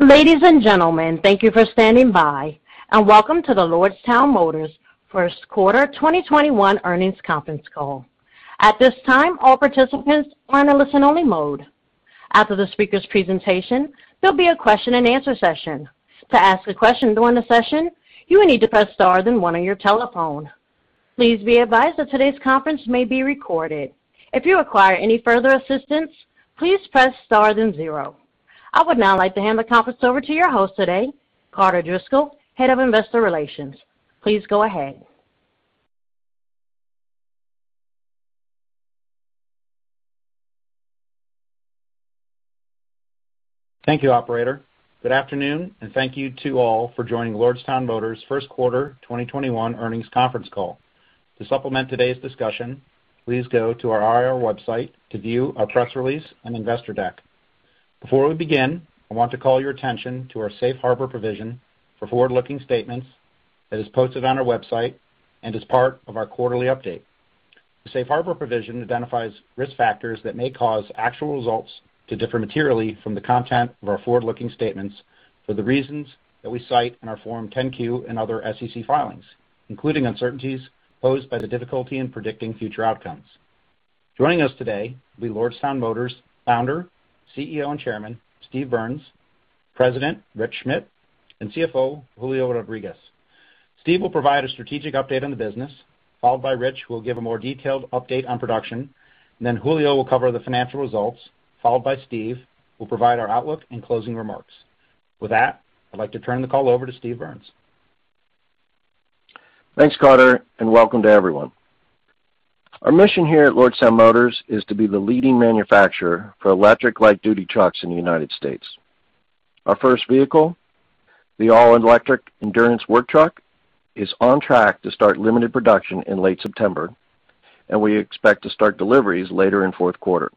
Ladies and gentlemen, thank you for standing by and welcome to the Lordstown Motors first quarter 2021 earnings conference call. At this time all participants are in a listen only mode. After the speaker's presentation, there will be a question and answer session. To ask a question during the session you will need to press star one on your telephone. Please be advised that today's conference may be recorded. If you require any further assistance please press star zero. I would now like to hand the conference over to your host today, Carter Driscoll, Head of Investor Relations. Please go ahead. Thank you, operator. Good afternoon, and thank you to all for joining Lordstown Motors' first quarter 2021 earnings conference call. To supplement today's discussion, please go to our IR website to view our press release and investor deck. Before we begin, I want to call your attention to our safe harbor provision for forward-looking statements as posted on our website and as part of our quarterly update. The safe harbor provision identifies risk factors that may cause actual results to differ materially from the content of our forward-looking statements for the reasons that we cite in our Form 10-Q and other SEC filings, including uncertainties posed by the difficulty in predicting future outcomes. Joining us today will be Lordstown Motors Founder, CEO, and Chairman, Steve Burns, President Rich Schmidt, and CFO Julio Rodriguez. Steve will provide a strategic update on the business, followed by Rich, who will give a more detailed update on production. Julio will cover the financial results, followed by Steve, who will provide our outlook and closing remarks. With that, I'd like to turn the call over to Steve Burns. Thanks, Carter. Welcome to everyone. Our mission here at Lordstown Motors is to be the leading manufacturer for electric light-duty trucks in the U.S. Our first vehicle, the all-electric Endurance work truck, is on track to start limited production in late September. We expect to start deliveries later in fourth quarter.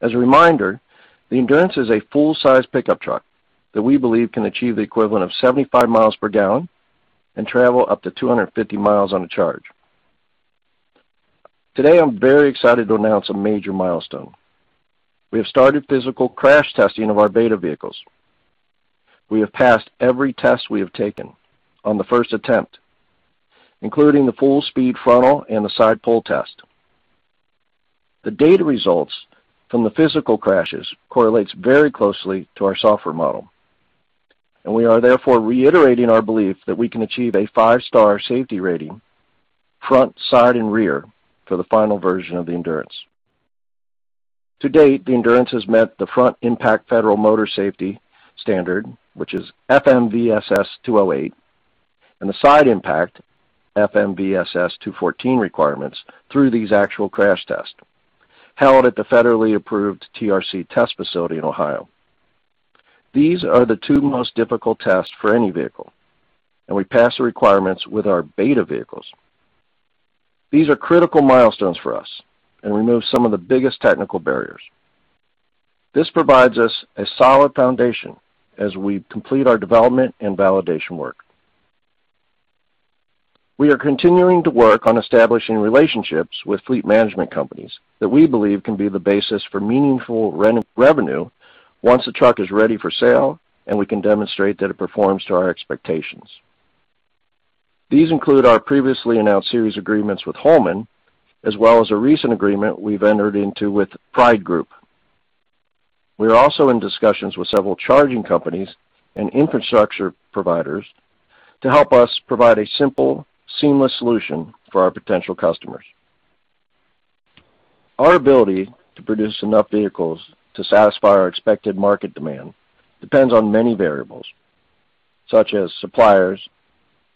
As a reminder, the Endurance is a full-size pickup truck that we believe can achieve the equivalent of 75 MPG and travel up to 250 mi on a charge. Today, I'm very excited to announce a major milestone. We have started physical crash testing of our beta vehicles. We have passed every test we have taken on the first attempt, including the full-speed frontal and the side pole test. The data results from the physical crashes correlates very closely to our software model, and we are therefore reiterating our belief that we can achieve a five-star safety rating, front, side, and rear, for the final version of the Endurance. To date, the Endurance has met the front impact Federal Motor Vehicle Safety Standard, which is FMVSS 208, and the side impact FMVSS 214 requirements through these actual crash tests held at the federally approved TRC test facility in Ohio. These are the two most difficult tests for any vehicle, and we passed the requirements with our beta vehicles. These are critical milestones for us, and remove some of the biggest technical barriers. This provides us a solid foundation as we complete our development and validation work. We are continuing to work on establishing relationships with fleet management companies that we believe can be the basis for meaningful revenue once the truck is ready for sale and we can demonstrate that it performs to our expectations. These include our previously announced series agreements with Holman, as well as a recent agreement we've entered into with Pride Group. We are also in discussions with several charging companies and infrastructure providers to help us provide a simple, seamless solution for our potential customers. Our ability to produce enough vehicles to satisfy our expected market demand depends on many variables, such as suppliers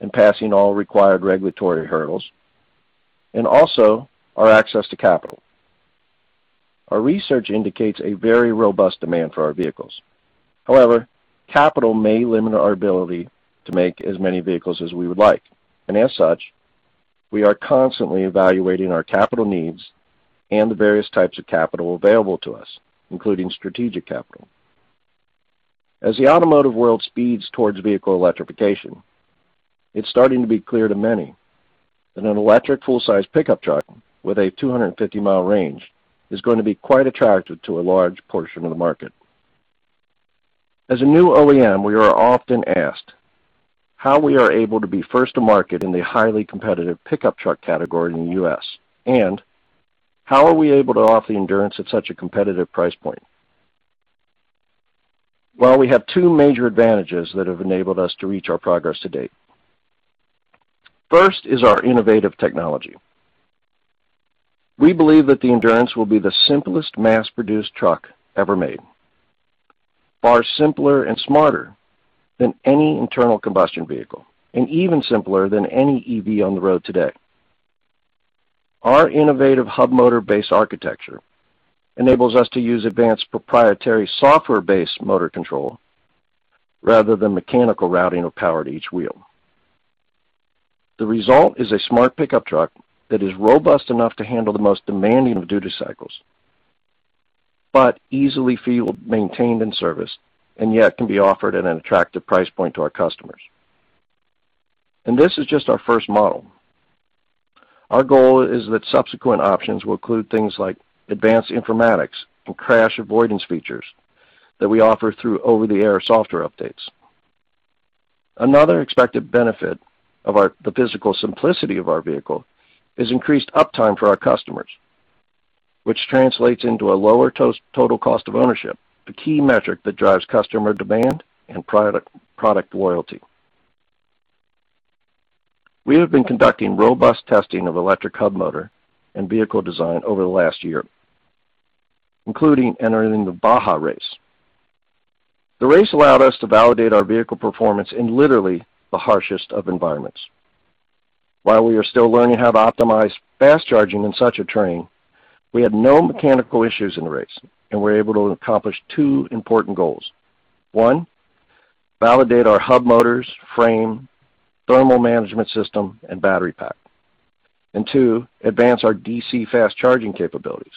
and passing all required regulatory hurdles, and also our access to capital. Our research indicates a very robust demand for our vehicles. However, capital may limit our ability to make as many vehicles as we would like, and as such, we are constantly evaluating our capital needs and the various types of capital available to us, including strategic capital. As the automotive world speeds towards vehicle electrification, it's starting to be clear to many that an electric full-size pickup truck with a 250-mi range is going to be quite attractive to a large portion of the market. As a new OEM, we are often asked how we are able to be first to market in the highly competitive pickup truck category in the U.S., and how are we able to offer the Endurance at such a competitive price point. Well, we have two major advantages that have enabled us to reach our progress to date. We believe that the Endurance will be the simplest mass-produced truck ever made, far simpler and smarter than any internal combustion vehicle, and even simpler than any EV on the road today. Our innovative hub motor-based architecture enables us to use advanced proprietary software-based motor control rather than mechanical routing of power to each wheel. The result is a smart pickup truck that is robust enough to handle the most demanding of duty cycles, but easily fueled, maintained, and serviced, and yet can be offered at an attractive price point to our customers. This is just our first model. Our goal is that subsequent options will include things like advanced informatics and crash avoidance features that we offer through over-the-air software updates. Another expected benefit of the physical simplicity of our vehicle is increased uptime for our customers, which translates into a lower total cost of ownership, the key metric that drives customer demand and product loyalty. We have been conducting robust testing of electric hub motor and vehicle design over the last year, including entering the Baja race. The race allowed us to validate our vehicle performance in literally the harshest of environments. While we are still learning how to optimize fast charging in such a terrain, we had no mechanical issues in the race and were able to accomplish two important goals. One, validate our hub motors, frame, thermal management system, and battery pack. Two, advance our DC fast charging capabilities.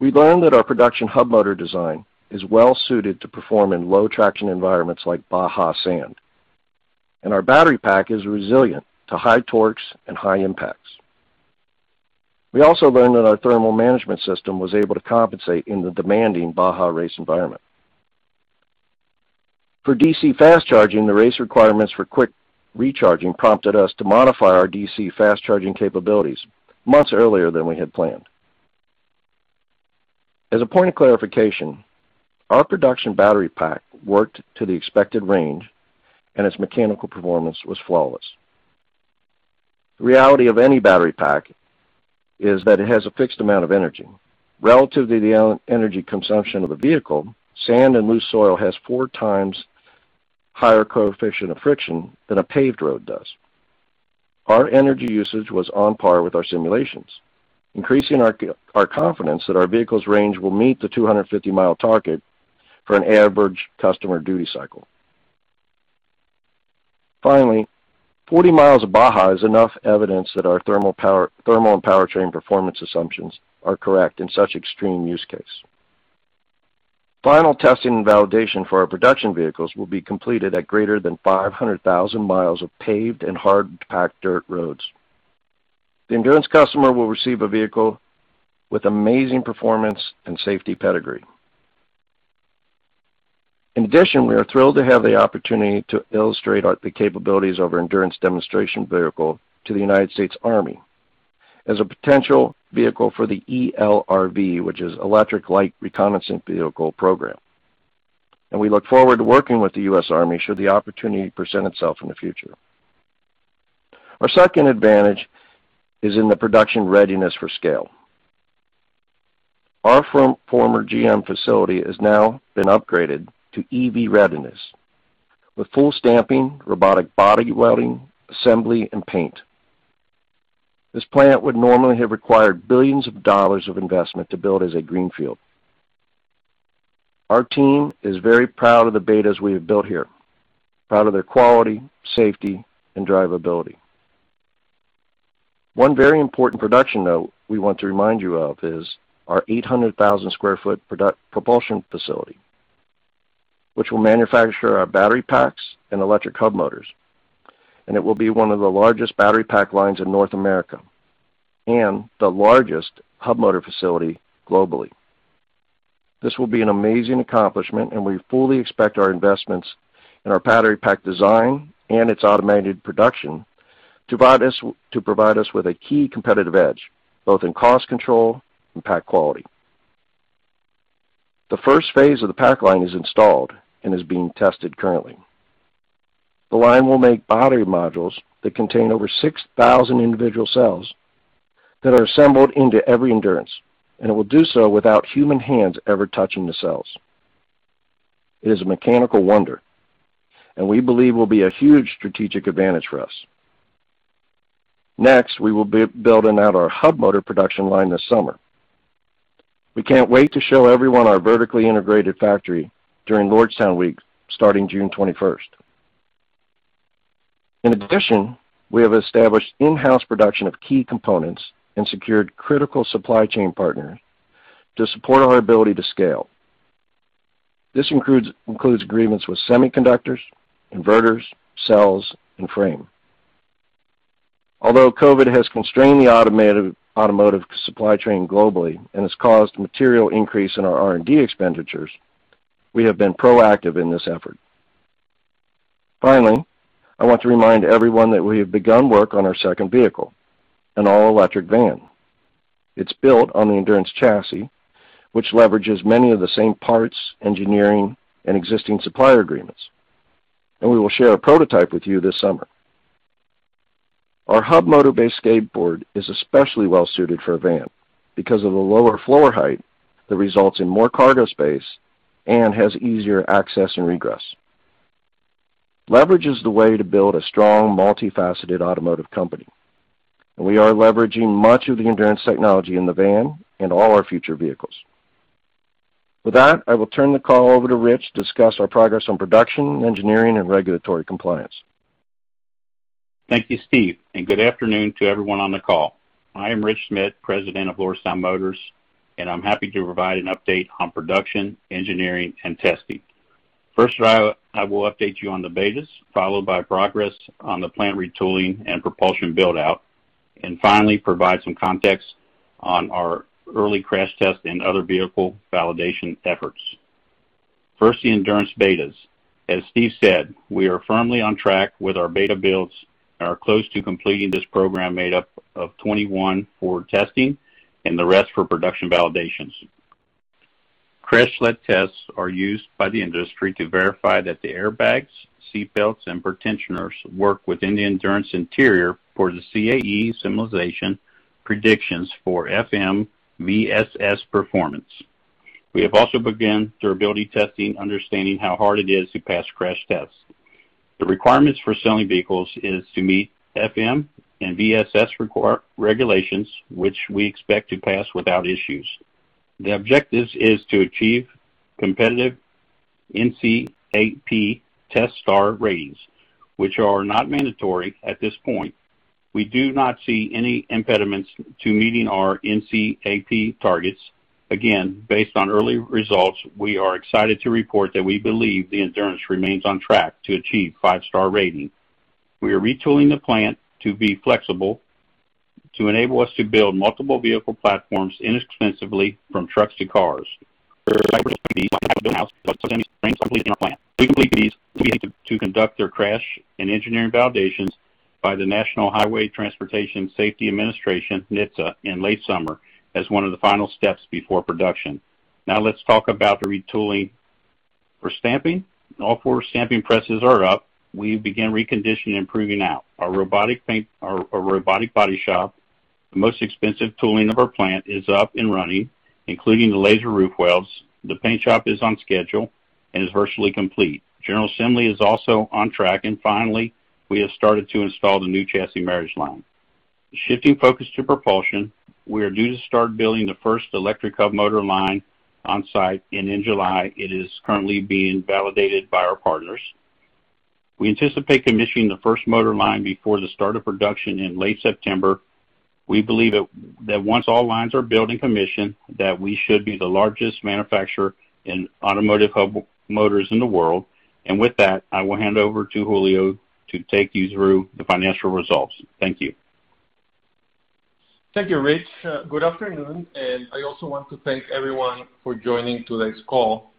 We learned that our production hub motor design is well-suited to perform in low-traction environments like Baja sand, and our battery pack is resilient to high torques and high impacts. We also learned that our thermal management system was able to compensate in the demanding Baja race environment. For DC fast charging, the race requirements for quick recharging prompted us to modify our DC fast-charging capabilities months earlier than we had planned. As a point of clarification, our production battery pack worked to the expected range and its mechanical performance was flawless. The reality of any battery pack is that it has a fixed amount of energy. Relative to the energy consumption of the vehicle, sand and loose soil has 4x higher coefficient of friction than a paved road does. Our energy usage was on par with our simulations, increasing our confidence that our vehicle's range will meet the 250-mi target for an average customer duty cycle. Finally, 40 mi of Baja is enough evidence that our thermal and powertrain performance assumptions are correct in such extreme use case. Final testing and validation for our production vehicles will be completed at greater than 500,000 mi of paved and hard-packed dirt roads. The Endurance customer will receive a vehicle with amazing performance and safety pedigree. In addition, we are thrilled to have the opportunity to illustrate the capabilities of our Endurance demonstration vehicle to the United States Army as a potential vehicle for the eLRV, which is Electric Light Reconnaissance Vehicle program. We look forward to working with the U.S. Army should the opportunity present itself in the future. Our second advantage is in the production readiness for scale. Our former GM facility has now been upgraded to EV readiness with full stamping, robotic body welding, assembly, and paint. This plant would normally have required billions of dollars of investment to build as a greenfield. Our team is very proud of the betas we have built here, proud of their quality, safety, and drivability. One very important production note we want to remind you of is our 800,000 sq ft propulsion facility, which will manufacture our battery packs and electric hub motors, and it will be one of the largest battery pack lines in North America and the largest hub motor facility globally. This will be an amazing accomplishment, and we fully expect our investments in our battery pack design and its automated production to provide us with a key competitive edge, both in cost control and pack quality. The first phase of the pack line is installed and is being tested currently. The line will make battery modules that contain over 6,000 individual cells that are assembled into every Endurance. It will do so without human hands ever touching the cells. It is a mechanical wonder. We believe will be a huge strategic advantage for us. Next, we will be building out our hub motor production line this summer. We can't wait to show everyone our vertically integrated factory during Lordstown Week, starting June 21st. In addition, we have established in-house production of key components and secured critical supply chain partners to support our ability to scale. This includes agreements with semiconductors, inverters, cells, and frame. Although COVID has constrained the automotive supply chain globally and has caused material increase in our R&D expenditures, we have been proactive in this effort. Finally, I want to remind everyone that we have begun work on our second vehicle, an all-electric van. It's built on the Endurance chassis, which leverages many of the same parts, engineering, and existing supplier agreements. We will share a prototype with you this summer. Our hub motor-based skateboard is especially well-suited for a van because of the lower floor height that results in more cargo space and has easier access and egress. Leverage is the way to build a strong, multifaceted automotive company. We are leveraging much of the Endurance technology in the van and all our future vehicles. With that, I will turn the call over to Rich to discuss our progress on production, engineering, and regulatory compliance. Thank you, Steve, and good afternoon to everyone on the call. I am Rich Schmidt, President of Lordstown Motors, and I'm happy to provide an update on production, engineering, and testing. First, I will update you on the betas, followed by progress on the plant retooling and propulsion build-out, and finally, provide some context on our early crash test and other vehicle validation efforts. First, the Endurance betas. As Steve said, we are firmly on track with our beta builds and are close to completing this program made up of 21 for testing and the rest for production validations. Crash sled tests are used by the industry to verify that the airbags, seat belts, and pretensioners work within the Endurance interior for the CAE simulation predictions for FMVSS performance. We have also begun durability testing, understanding how hard it is to pass crash tests. The requirements for selling vehicles is to meet FMVSS regulations, which we expect to pass without issues. The objective is to achieve competitive NCAP test star ratings, which are not mandatory at this point. We do not see any impediments to meeting our NCAP targets. Again, based on early results, we are excited to report that we believe the Endurance remains on track to achieve a five-star rating. We are retooling the plant to be flexible, to enable us to build multiple vehicle platforms inexpensively, from trucks to cars. To conduct their crash and engineering validations by the National Highway Traffic Safety Administration, NHTSA, in late summer as one of the final steps before production. Let's talk about the retooling. For stamping, all four stamping presses are up. We began reconditioning and proving out. Our robotic body shop, the most expensive tooling of our plant, is up and running, including the laser roof welds. The paint shop is on schedule and is virtually complete. General Assembly is also on track. Finally, we have started to install the new chassis marriage line. Shifting focus to propulsion, we are due to start building the first electric hub motor line on-site in July. It is currently being validated by our partners. We anticipate commissioning the first motor line before the start of production in late September. We believe that once all lines are built and commissioned, that we should be the largest manufacturer in automotive hub motors in the world. With that, I will hand it over to Julio to take you through the financial results. Thank you. Thank you, Rich. Good afternoon. I also want to thank everyone for joining today's call.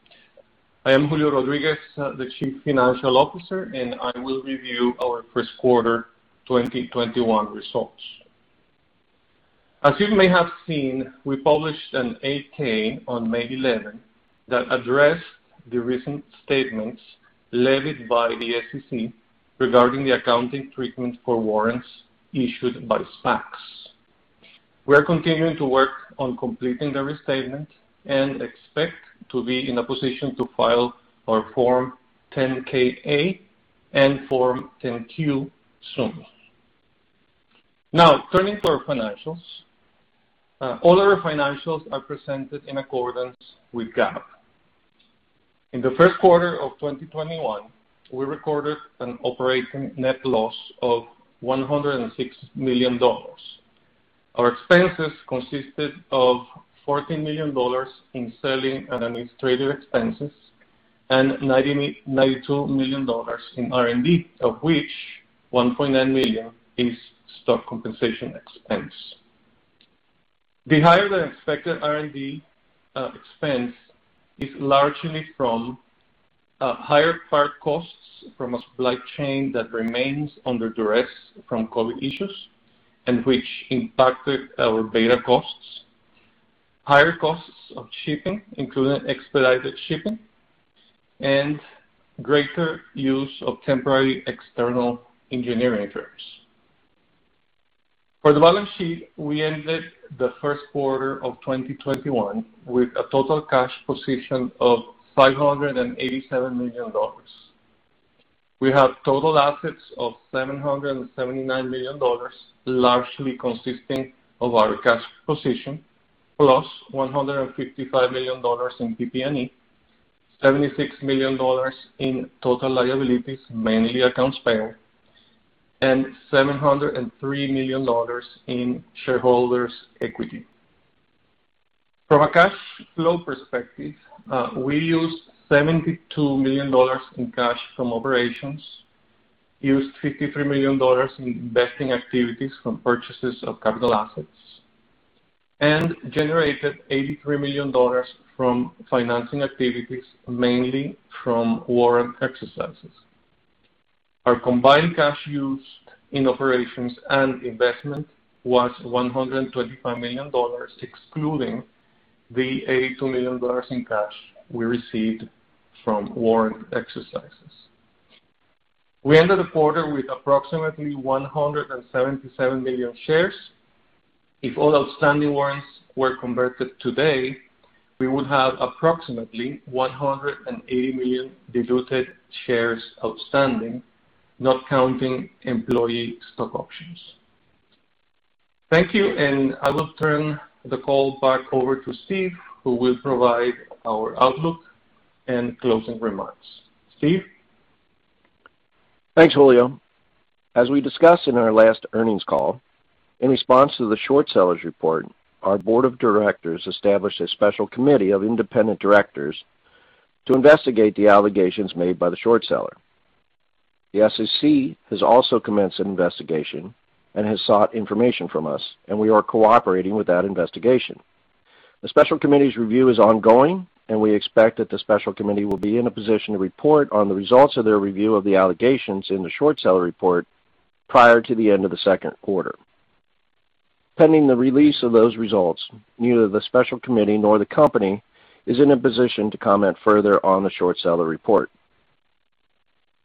I am Julio Rodriguez, the Chief Financial Officer, and I will review our first quarter 2021 results. As you may have seen, we published an Form 8-K on May 11 that addressed the recent statements levied by the SEC regarding the accounting treatment for warrants issued by SPACs. We're continuing to work on completing the restatement and expect to be in a position to file our Form 10-K/A and Form 10-Q soon. Now, turning to our financials. All our financials are presented in accordance with GAAP. In the first quarter of 2021, we recorded an operating net loss of $106 million. Our expenses consisted of $40 million in selling and administrative expenses and $92 million in R&D, of which $1.9 million is stock compensation expense. The higher-than-expected R&D expense is largely from higher part costs from a supply chain that remains under duress from COVID issues, which impacted our beta costs, higher costs of shipping, including expedited shipping, and greater use of temporary external engineering efforts. For the balance sheet, we ended the first quarter of 2021 with a total cash position of $587 million. We have total assets of $779 million, largely consisting of our cash position, +$155 million in PP&E, $76 million in total liabilities, mainly accounts payable, and $703 million in shareholders' equity. From a cash flow perspective, we used $72 million in cash from operations, used $53 million in investing activities from purchases of capital assets, and generated $83 million from financing activities, mainly from warrant exercises. Our combined cash used in operations and investment was $125 million, excluding the $82 million in cash we received from warrant exercises. We ended the quarter with approximately 177 million shares. If all outstanding warrants were converted today, we would have approximately 180 million diluted shares outstanding, not counting employee stock options. Thank you, and I will turn the call back over to Steve, who will provide our outlook and closing remarks. Steve? Thanks, Julio. As we discussed in our last earnings call, in response to the short seller's report, our board of directors established a special committee of independent directors to investigate the allegations made by the short seller. The SEC has also commenced an investigation and has sought information from us, and we are cooperating with that investigation. The special committee's review is ongoing, and we expect that the special committee will be in a position to report on the results of their review of the allegations in the short seller report prior to the end of the second quarter. Pending the release of those results, neither the special committee nor the company is in a position to comment further on the short seller report.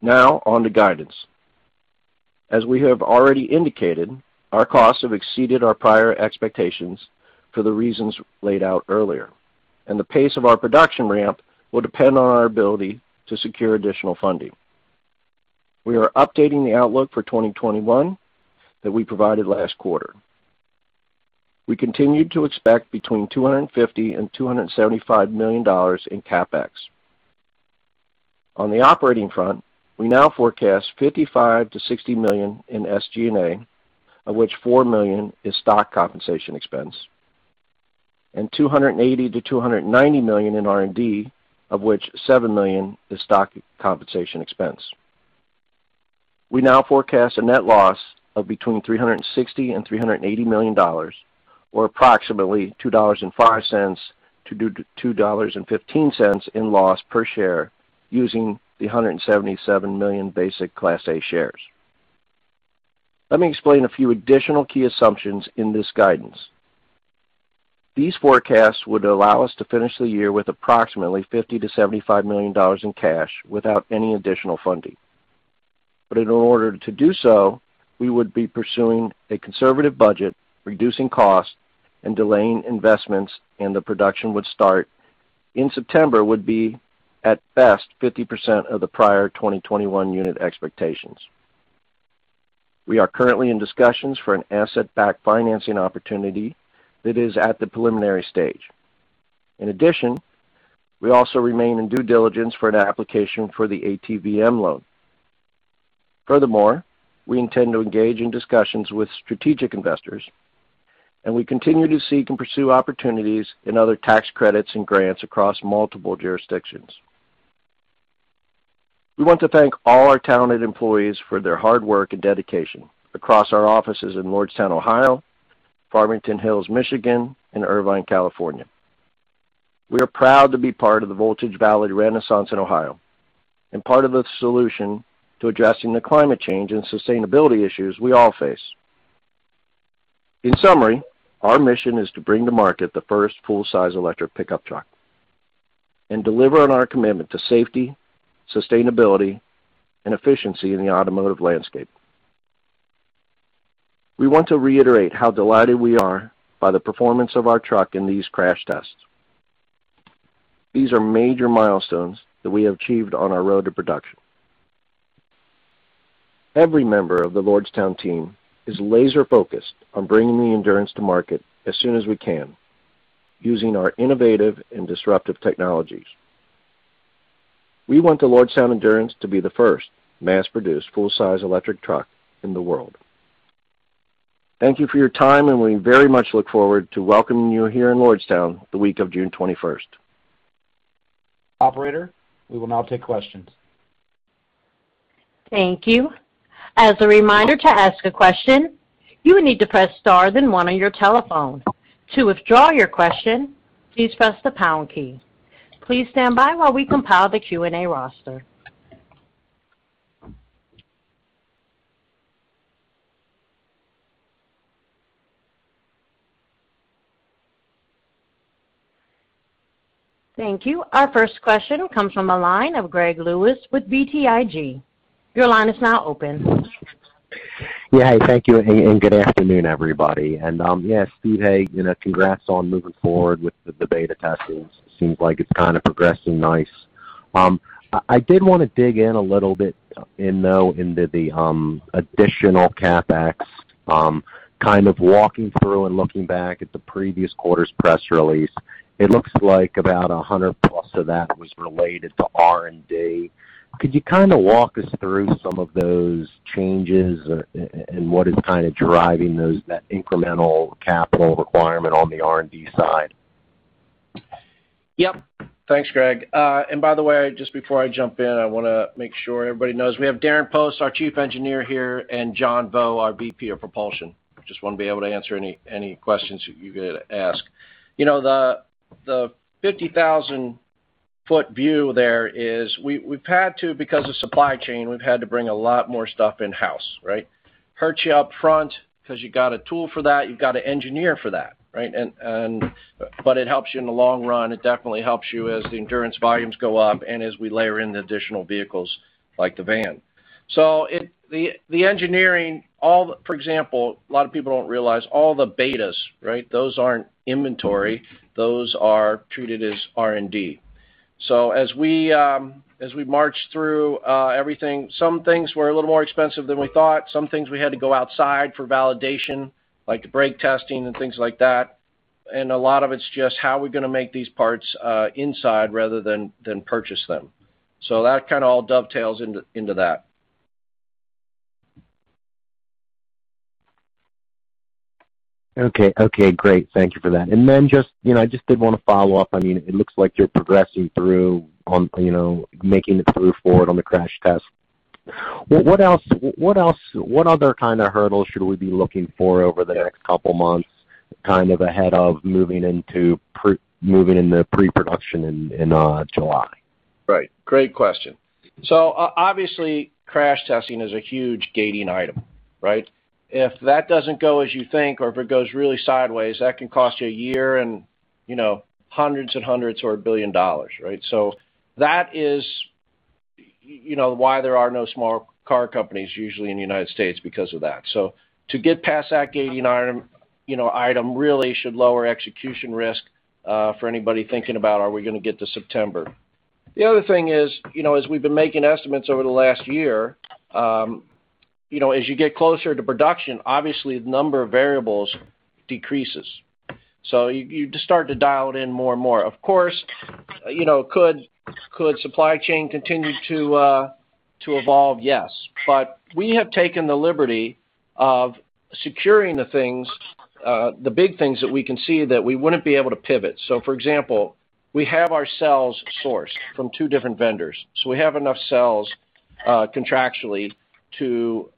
Now on to guidance. As we have already indicated, our costs have exceeded our prior expectations for the reasons laid out earlier, and the pace of our production ramp will depend on our ability to secure additional funding. We are updating the outlook for 2021 that we provided last quarter. We continue to expect between $250 million and $275 million in CapEx. On the operating front, we now forecast $55 million-$60 million in SG&A, of which $4 million is stock compensation expense, and $280 million-$290 million in R&D, of which $7 million is stock compensation expense. We now forecast a net loss of between $360 million and $380 million, or approximately $2.05-$2.15 in loss per share using the 177 million basic class A shares. Let me explain a few additional key assumptions in this guidance. These forecasts would allow us to finish the year with approximately $50 million-$75 million in cash without any additional funding. In order to do so, we would be pursuing a conservative budget, reducing cost, and delaying investments, and the production would start in September would be, at best, 50% of the prior 2021 unit expectations. We are currently in discussions for an asset-backed financing opportunity that is at the preliminary stage. In addition, we also remain in due diligence for an application for the ATVM loan. Furthermore, we intend to engage in discussions with strategic investors, and we continue to seek and pursue opportunities in other tax credits and grants across multiple jurisdictions. We want to thank all our talented employees for their hard work and dedication across our offices in Lordstown, Ohio, Farmington Hills, Michigan, and Irvine, California. We are proud to be part of the Voltage Valley renaissance in Ohio and part of the solution to addressing the climate change and sustainability issues we all face. In summary, our mission is to bring to market the first full-size electric pickup truck and deliver on our commitment to safety, sustainability, and efficiency in the automotive landscape. We want to reiterate how delighted we are by the performance of our truck in these crash tests. These are major milestones that we have achieved on our road to production. Every member of the Lordstown team is laser-focused on bringing the Endurance to market as soon as we can using our innovative and disruptive technologies. We want the Lordstown Endurance to be the first mass-produced full-size electric truck in the world. Thank you for your time, and we very much look forward to welcoming you here in Lordstown the week of June 21st. Operator, we will now take questions. Thank you. As a reminder, to ask a question, you will need to press star then one on your telephone. To withdraw your question, please press the pound key. Please stand by while we compile the Q&A roster. Thank you. Our first question comes from the line of Greg Lewis with BTIG. Your line is now open. Yeah. Thank you, and good afternoon, everybody. Yeah, Steve, hey, congrats on moving forward with the beta testing. Seems like it is progressing nice. I did want to dig in a little bit in, though, into the additional CapEx, kind of walking through and looking back at the previous quarter's press release. It looks like about 100+ of that was related to R&D. Could you walk us through some of those changes and what is driving that incremental capital requirement on the R&D side? Yep. Thanks, Greg. By the way, just before I jump in, I want to make sure everybody knows we have Darren Post, our Chief Engineer here, and John Vo, our VP of Propulsion. We just want to be able to answer any questions that you guys ask. The 50,000-ft view there is, because of supply chain, we've had to bring a lot more stuff in-house, right? Hurts you up front because you got a tool for that, you got to engineer for that, right? It helps you in the long run. It definitely helps you as the Endurance volumes go up and as we layer in additional vehicles like the van. The engineering, for example, a lot of people don't realize all the betas, right, those aren't inventory. Those are treated as R&D. As we march through everything, some things were a little more expensive than we thought. Some things we had to go outside for validation, like the brake testing and things like that. A lot of it's just how are we going to make these parts inside rather than purchase them. That kind of all dovetails into that. Okay, great. Thank you for that. I just did want to follow up. It looks like you're progressing through on making it through forward on the crash test. What other kind of hurdles should we be looking for over the next couple of months, kind of ahead of moving into pre-production in July? Right. Great question. Obviously, crash testing is a huge gating item, right? If that doesn't go as you think, or if it goes really sideways, that can cost you a year and hundreds and hundreds or $1 billion, right? That is why there are no small car companies usually in the United States because of that. To get past that gating item really should lower execution risk for anybody thinking about, are we going to get to September? The other thing is, as we've been making estimates over the last year, as you get closer to production, obviously the number of variables decreases. You just start to dial it in more and more. Of course, could supply chain continue to evolve? Yes. We have taken the liberty of securing the big things that we can see that we wouldn't be able to pivot. For example, we have our cells sourced from two different vendors. We have enough cells contractually to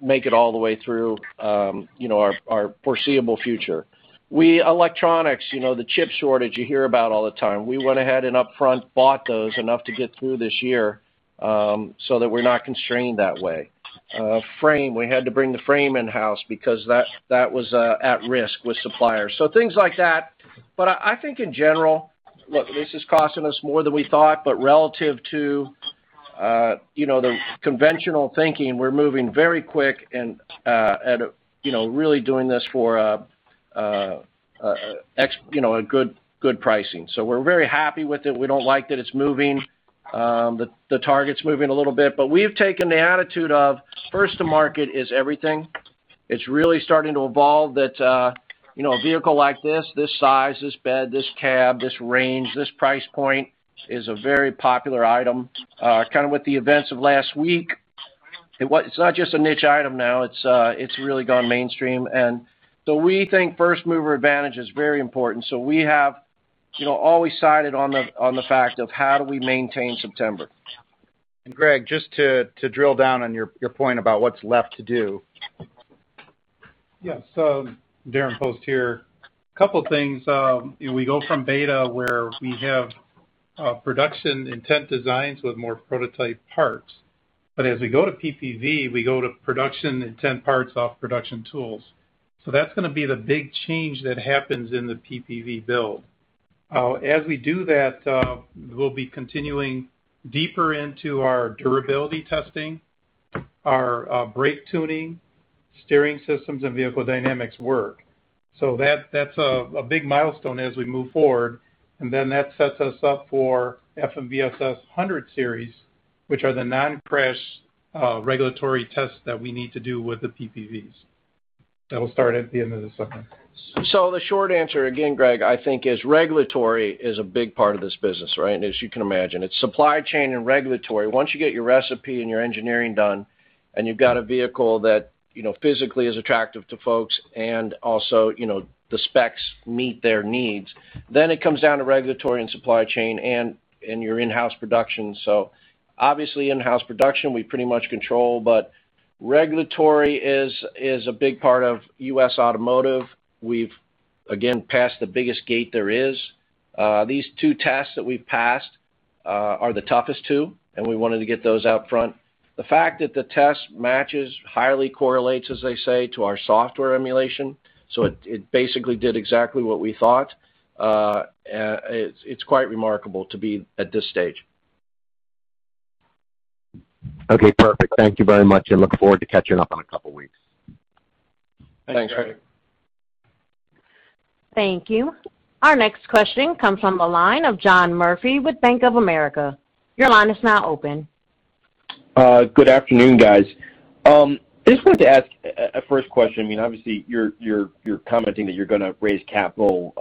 make it all the way through our foreseeable future. Electronics, the chip shortage you hear about all the time. We went ahead and upfront bought those, enough to get through this year, so that we're not constrained that way. Frame, we had to bring the frame in-house because that was at risk with suppliers. Things like that. I think in general, look, this is costing us more than we thought. Relative to the conventional thinking, we're moving very quick and really doing this for a good pricing. We're very happy with it. We don't like that it's moving, the target's moving a little bit. We have taken the attitude of first to market is everything. It's really starting to evolve that a vehicle like this size, this bed, this cab, this range, this price point, is a very popular item. Kind of with the events of last week, it's not just a niche item now. It's really gone mainstream. We think first-mover advantage is very important. We have always sided on the fact of how do we maintain September. Greg, just to drill down on your point about what's left to do. Yeah. Darren Post here. A couple of things. We go from beta where we have production intent designs with more prototype parts. As we go to PPV, we go to production intent parts off production tools. That's going to be the big change that happens in the PPV build. As we do that, we'll be continuing deeper into our durability testing, our brake tuning, steering systems, and vehicle dynamics work. That's a big milestone as we move forward. That sets us up for FMVSS 100 series, which are the nine crash regulatory tests that we need to do with the PPVs. That will start at the end of the summer. The short answer again, Greg, I think is regulatory is a big part of this business, right? As you can imagine. It's supply chain and regulatory. Once you get your recipe and your engineering done, and you've got a vehicle that physically is attractive to folks and also the specs meet their needs, then it comes down to regulatory and supply chain and your in-house production. Obviously in-house production, we pretty much control. Regulatory is a big part of U.S. automotive. We've, again, passed the biggest gate there is. These two tests that we've passed are the toughest two, and we wanted to get those up front. The fact that the test matches, highly correlates, as they say, to our software emulation, so it basically did exactly what we thought. It's quite remarkable to be at this stage. Okay, perfect. Thank you very much, and look forward to catching up in a couple of weeks. Thanks, Greg. Thank you. Our next question comes from the line of John Murphy with Bank of America. Your line is now open. Good afternoon, guys. Just wanted to ask a first question. Obviously, you're commenting that you're going to raise capital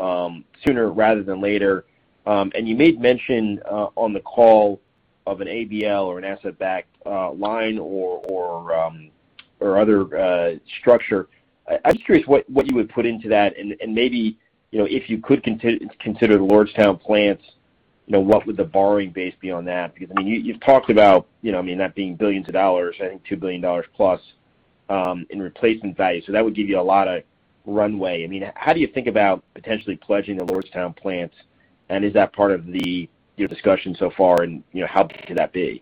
sooner rather than later. You made mention on the call of an ABL or an asset-backed line or other structure. I'm just curious what you would put into that, and maybe if you could consider the Lordstown plants, what would the borrowing base be on that? Because you've talked about that being billions of dollars, I think $2 billion+ in replacement value. That would give you a lot of runway. How do you think about potentially pledging the Lordstown plants, and is that part of your discussion so far, and how big could that be?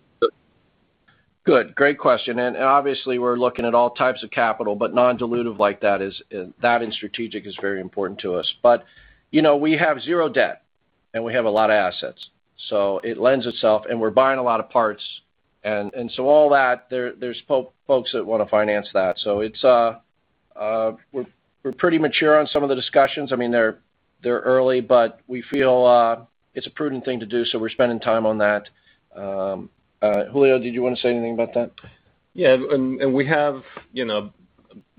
Good. Great question. Obviously we're looking at all types of capital, but non-dilutive like that and strategic is very important to us. We have zero debt and we have a lot of assets, so it lends itself, and we're buying a lot of parts. All that, there's folks that want to finance that. We're pretty mature on some of the discussions. They're early, but we feel it's a prudent thing to do, so we're spending time on that. Julio, did you want to say anything about that? Yeah. We have $1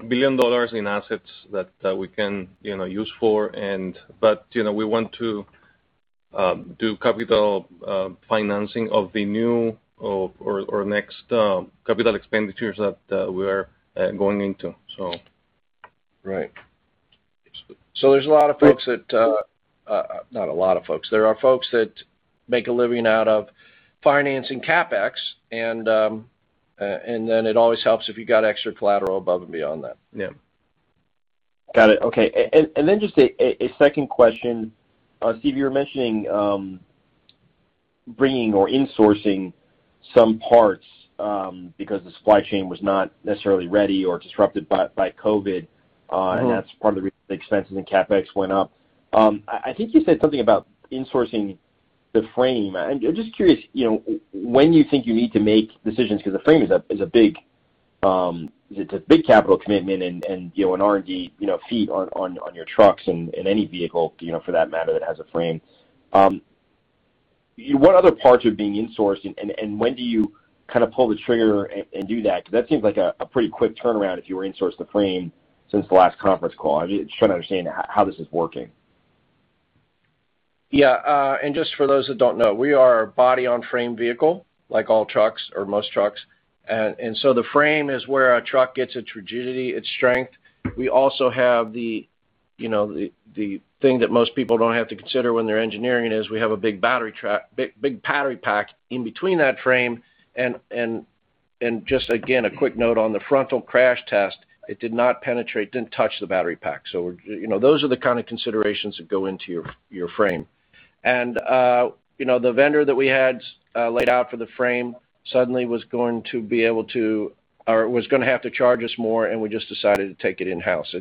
billion in assets that we can use for, but we want to do capital financing of the new or next capital expenditures that we're going into. Right. There's a lot of folks that-- Not a lot of folks. There are folks that make a living out of financing CapEx, and then it always helps if you got extra collateral above and beyond that. Yeah. Got it. Okay. Just a second question. Steve, you were mentioning bringing or insourcing some parts, because the supply chain was not necessarily ready or disrupted by COVID, and that's one of the reasons expenses and CapEx went up. I think you said something about insourcing the frame. I'm just curious, when you think you need to make decisions for the frame, it's a big capital commitment and an R&D fee on your trucks and any vehicle, for that matter, that has a frame. What other parts are being insourced, and when do you kind of pull the trigger and do that? That seems like a pretty quick turnaround if you re-insource the frame since the last conference call. I'm just trying to understand how this is working? Yeah. Just for those that don't know, we are a body-on-frame vehicle, like all trucks or most trucks. The frame is where a truck gets its rigidity, its strength. We also have the thing that most people don't have to consider when they're engineering is we have a big battery pack in between that frame. Just, again, a quick note on the frontal crash test, it did not penetrate, didn't touch the battery pack. Those are the kind of considerations that go into your frame. The vendor that we had laid out for the frame suddenly was going to have to charge us more, and we just decided to take it in-house.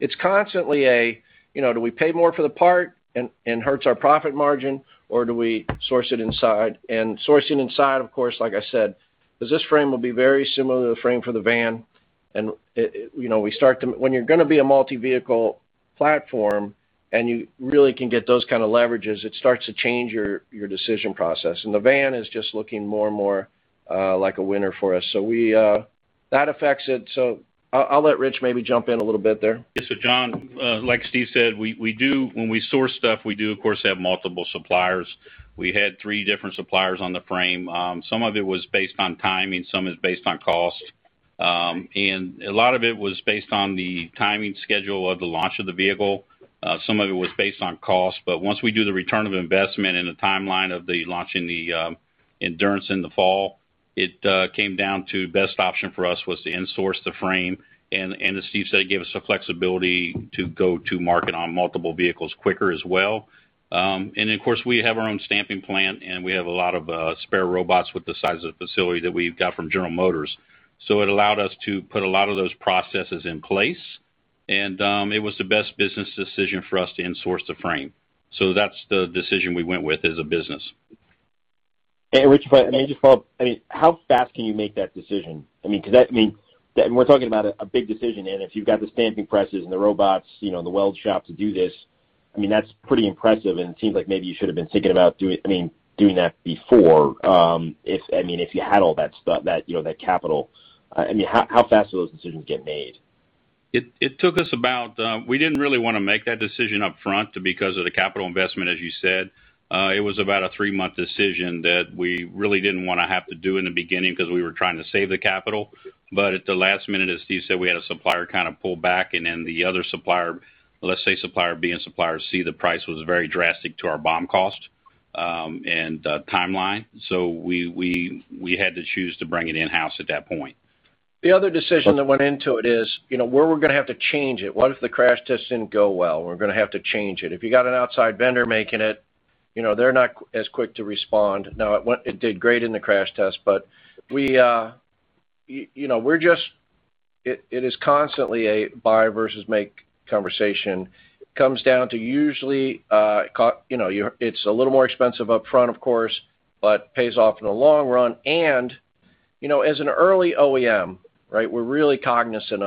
It's constantly a, do we pay more for the part and hurts our profit margin, or do we source it inside? Sourcing inside, of course, like I said, because this frame will be very similar to the frame for the van. When you're going to be a multi-vehicle platform and you really can get those kind of leverages, it starts to change your decision process. The van is just looking more and more like a winner for us. That affects it. I'll let Rich maybe jump in a little bit there. Yeah. John, like Steve said, when we source stuff, we do, of course, have multiple suppliers. We had three different suppliers on the frame. Some of it was based on timing, some is based on cost. A lot of it was based on the timing schedule of the launch of the vehicle. Some of it was based on cost. Once we do the return of investment and the timeline of the launch in the Endurance in the fall, it came down to best option for us was to insource the frame. As Steve said, it gave us the flexibility to go to market on multiple vehicles quicker as well. Of course, we have our own stamping plant, and we have a lot of spare robots with the size of the facility that we've got from General Motors. It allowed us to put a lot of those processes in place, and it was the best business decision for us to insource the frame. That's the decision we went with as a business. Hey, Rich, may I just follow up? How fast can you make that decision? We're talking about a big decision. If you've got the stamping presses and the robots, the weld shop to do this, that's pretty impressive, and it seems like maybe you should've been thinking about doing that before, if you had all that capital. How fast do those decisions get made? We didn't really want to make that decision up front because of the capital investment, as you said. It was about a three-month decision that we really didn't want to have to do in the beginning because we were trying to save the capital. At the last minute, as Steve said, we had a supplier kind of pull back, and then the other supplier, let's say supplier B and supplier C, the price was very drastic to our BOM cost and timeline. We had to choose to bring it in-house at that point. The other decision that went into it is, where we're going to have to change it. What if the crash test didn't go well? We're going to have to change it. If you got an outside vendor making it, they're not as quick to respond. It did great in the crash test, but it is constantly a buy versus make conversation. It comes down to usually, it's a little more expensive upfront, of course, but pays off in the long run. As an early OEM, we're really cognizant.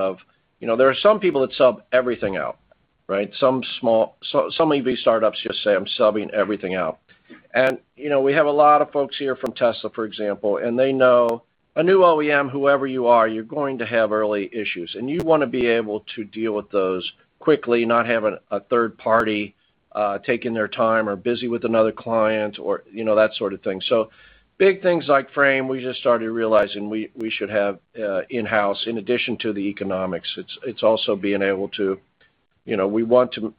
There are some people that sub everything out. Some of these startups just say, "I'm subbing everything out." We have a lot of folks here from Tesla, for example, and they know a new OEM, whoever you are, you're going to have early issues, and you want to be able to deal with those quickly, not have a third party taking their time or busy with another client or that sort of thing. Big things like frame, we just started realizing we should have in-house. In addition to the economics, it's also, we want to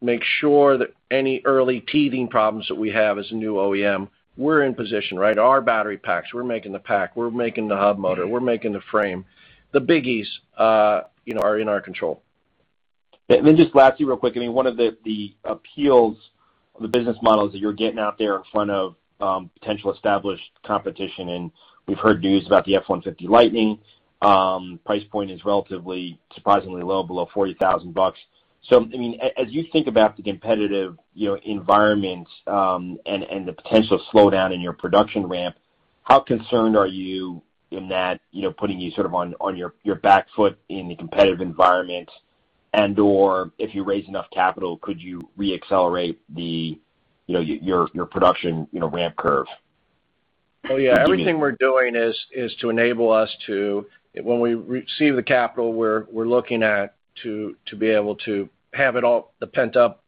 make sure that any early teething problems that we have as a new OEM, we're in position. Our battery packs, we're making the pack, we're making the hub motor, we're making the frame. The biggies are in our control. Let me just ask you real quick. One of the appeals of the business model is that you're getting out there in front of potential established competition, and we've heard news about the F-150 Lightning. Price point is relatively surprisingly well below $40,000. As you think about the competitive environment and the potential slowdown in your production ramp, how concerned are you in that putting you sort of on your back foot in the competitive environment and/or if you raise enough capital, could you re-accelerate your production ramp curve? Oh, yeah. Everything we're doing is to enable us to, when we receive the capital, we're looking at to be able to have it all, the pent-up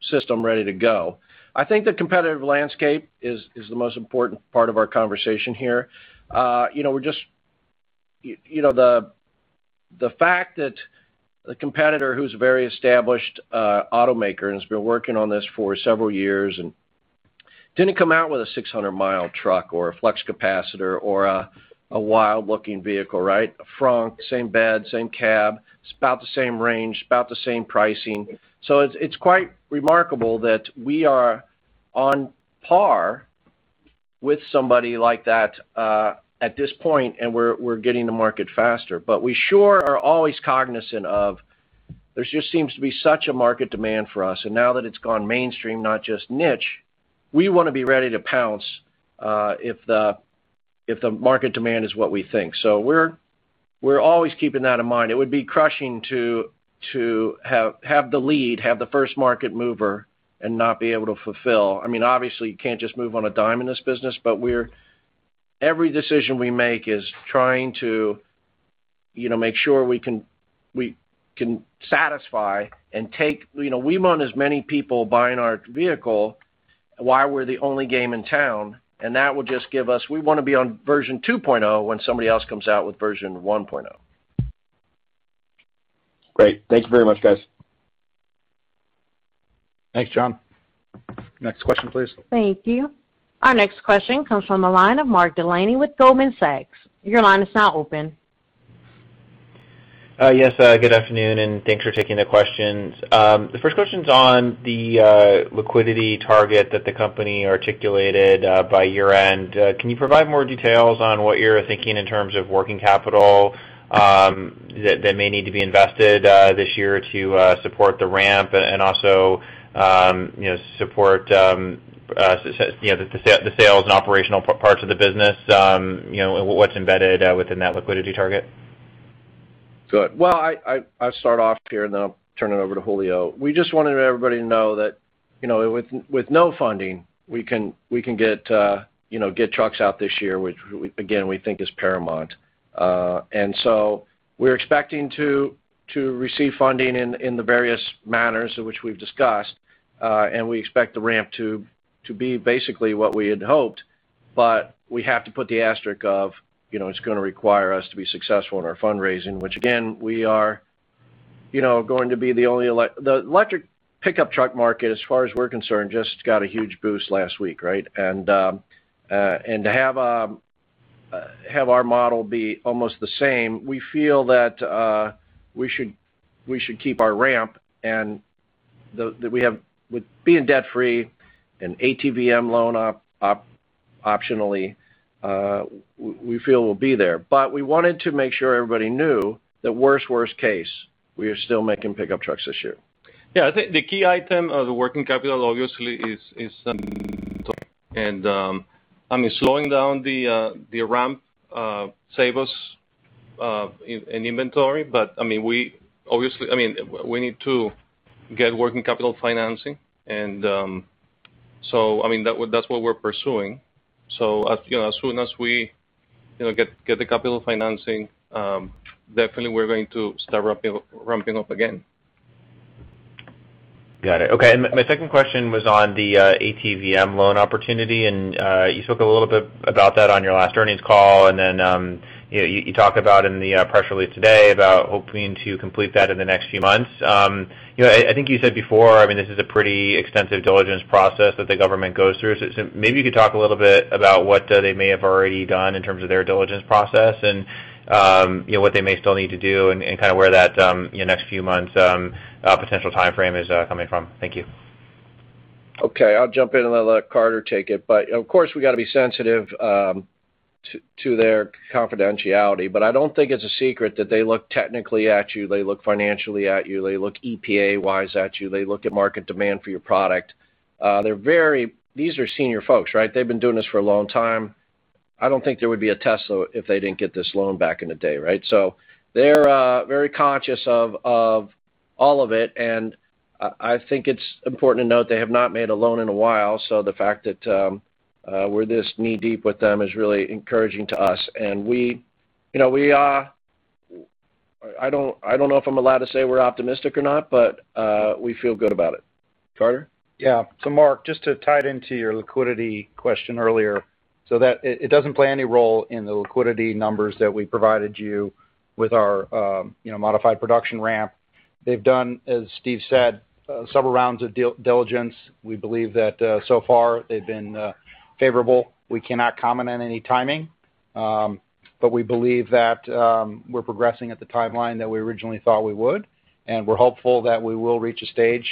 system ready to go. I think the competitive landscape is the most important part of our conversation here. The fact that a competitor who's a very established automaker and has been working on this for several years and didn't come out with a 600-mi truck or a flux capacitor or a wild-looking vehicle, right? A frunk, same bed, same cab. It's about the same range, about the same pricing. It's quite remarkable that we are on par with somebody like that, at this point, and we're getting to market faster. We sure are always cognizant of, there just seems to be such a market demand for us, and now that it's gone mainstream, not just niche, we want to be ready to pounce if the market demand is what we think. We're always keeping that in mind. It would be crushing to have the lead, have the first-market mover and not be able to fulfill. Obviously, you can't just move on a dime in this business, but every decision we make is trying to make sure we can satisfy and take we want as many people buying our vehicle while we're the only game in town, and that will just give us We want to be on version 2.0 when somebody else comes out with version 1.0. Great. Thanks very much, guys. Thanks, John. Next question, please. Thank you. Our next question comes from the line of Mark Delaney with Goldman Sachs. Your line is now open. Yes, good afternoon, and thanks for taking the questions. The first question's on the liquidity target that the company articulated by year-end. Can you provide more details on what you're thinking in terms of working capital that may need to be invested this year to support the ramp and also support the sales and operational parts of the business? What's embedded within that liquidity target? Good. Well, I'll start off here, and then I'll turn it over to Julio. We just wanted everybody to know that with no funding, we can get trucks out this year, which again, we think is paramount. We're expecting to receive funding in the various manners in which we've discussed. We expect the ramp to be basically what we had hoped. We have to put the asterisk of, it's going to require us to be successful in our fundraising, which again, we are going to be. The electric pickup truck market, as far as we're concerned, just got a huge boost last week, right? To have our model be almost the same, we feel that we should keep our ramp. With being debt-free, an ATVM loan optionally, we feel we'll be there. We wanted to make sure everybody knew that worst case, we are still making pickup trucks this year. I think the key item of the working capital obviously is inventory. Slowing down the ramp saved us in inventory, but obviously, we need to get working capital financing, that's what we're pursuing. As soon as we get the capital financing, definitely we're going to start ramping up again. Got it. Okay. My second question was on the ATVM loan opportunity. You spoke a little bit about that on your last earnings call. You talked about in the press release today about hoping to complete that in the next few months. I think you said before, this is a pretty extensive diligence process that the government goes through. Maybe you could talk a little bit about what they may have already done in terms of their diligence process and what they may still need to do and where that next few months potential timeframe is coming from. Thank you. Okay. I'll jump in and then let Carter take it. Of course, we've got to be sensitive to their confidentiality. I don't think it's a secret that they look technically at you, they look financially at you, they look EPA-wise at you. They look at market demand for your product. These are senior folks, right? They've been doing this for a long time. I don't think there would be a Tesla if they didn't get this loan back in the day, right? They're very conscious of all of it, and I think it's important to note they have not made a loan in a while. The fact that we're this knee-deep with them is really encouraging to us. I don't know if I'm allowed to say we're optimistic or not. We feel good about it. Carter? Yeah. Mark, just to tie it into your liquidity question earlier, so it doesn't play any role in the liquidity numbers that we provided you with our modified production ramp. They've done, as Steve said, several rounds of due diligence. We believe that so far they've been favorable. We cannot comment on any timing. We believe that we're progressing at the timeline that we originally thought we would, and we're hopeful that we will reach a stage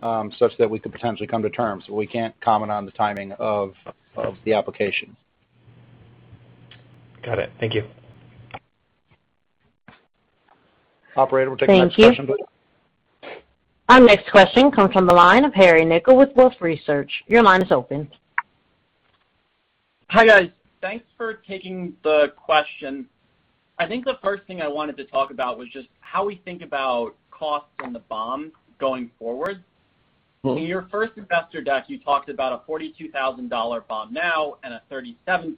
such that we could potentially come to terms, but we can't comment on the timing of the application. Got it. Thank you. Operator, we'll take our first question, please. Thank you. Our next question comes from the line of Harry Nikel with Wolfe Research. Your line is open. Hi, guys. Thanks for taking the question. I think the first thing I wanted to talk about was just how we think about costs on the BOM going forward. In your first investor deck, you talked about a $42,000 BOM now and a $37,000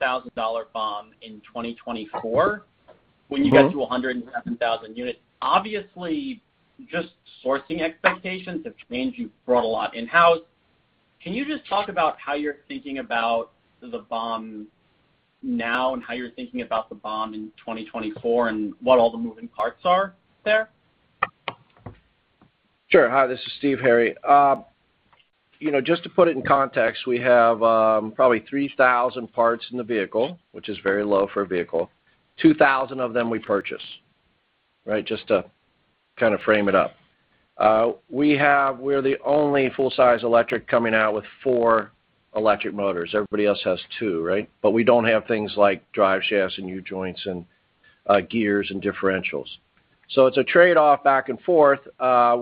BOM in 2024. When you get to 170,000 units. Obviously, just sourcing expectations have changed, you've grown a lot. Can you just talk about how you're thinking about the BOM now, and how you're thinking about the BOM in 2024 and what all the moving parts are there? Sure. Hi, this is Steve, Harry. Just to put it in context, we have probably 3,000 parts in the vehicle, which is very low for a vehicle. 2,000 of them we purchase. Just to frame it up. We're the only full-size electric coming out with four electric motors. Everybody else has two. We don't have things like drive shafts and U-joints and gears and differentials. It's a trade-off back and forth.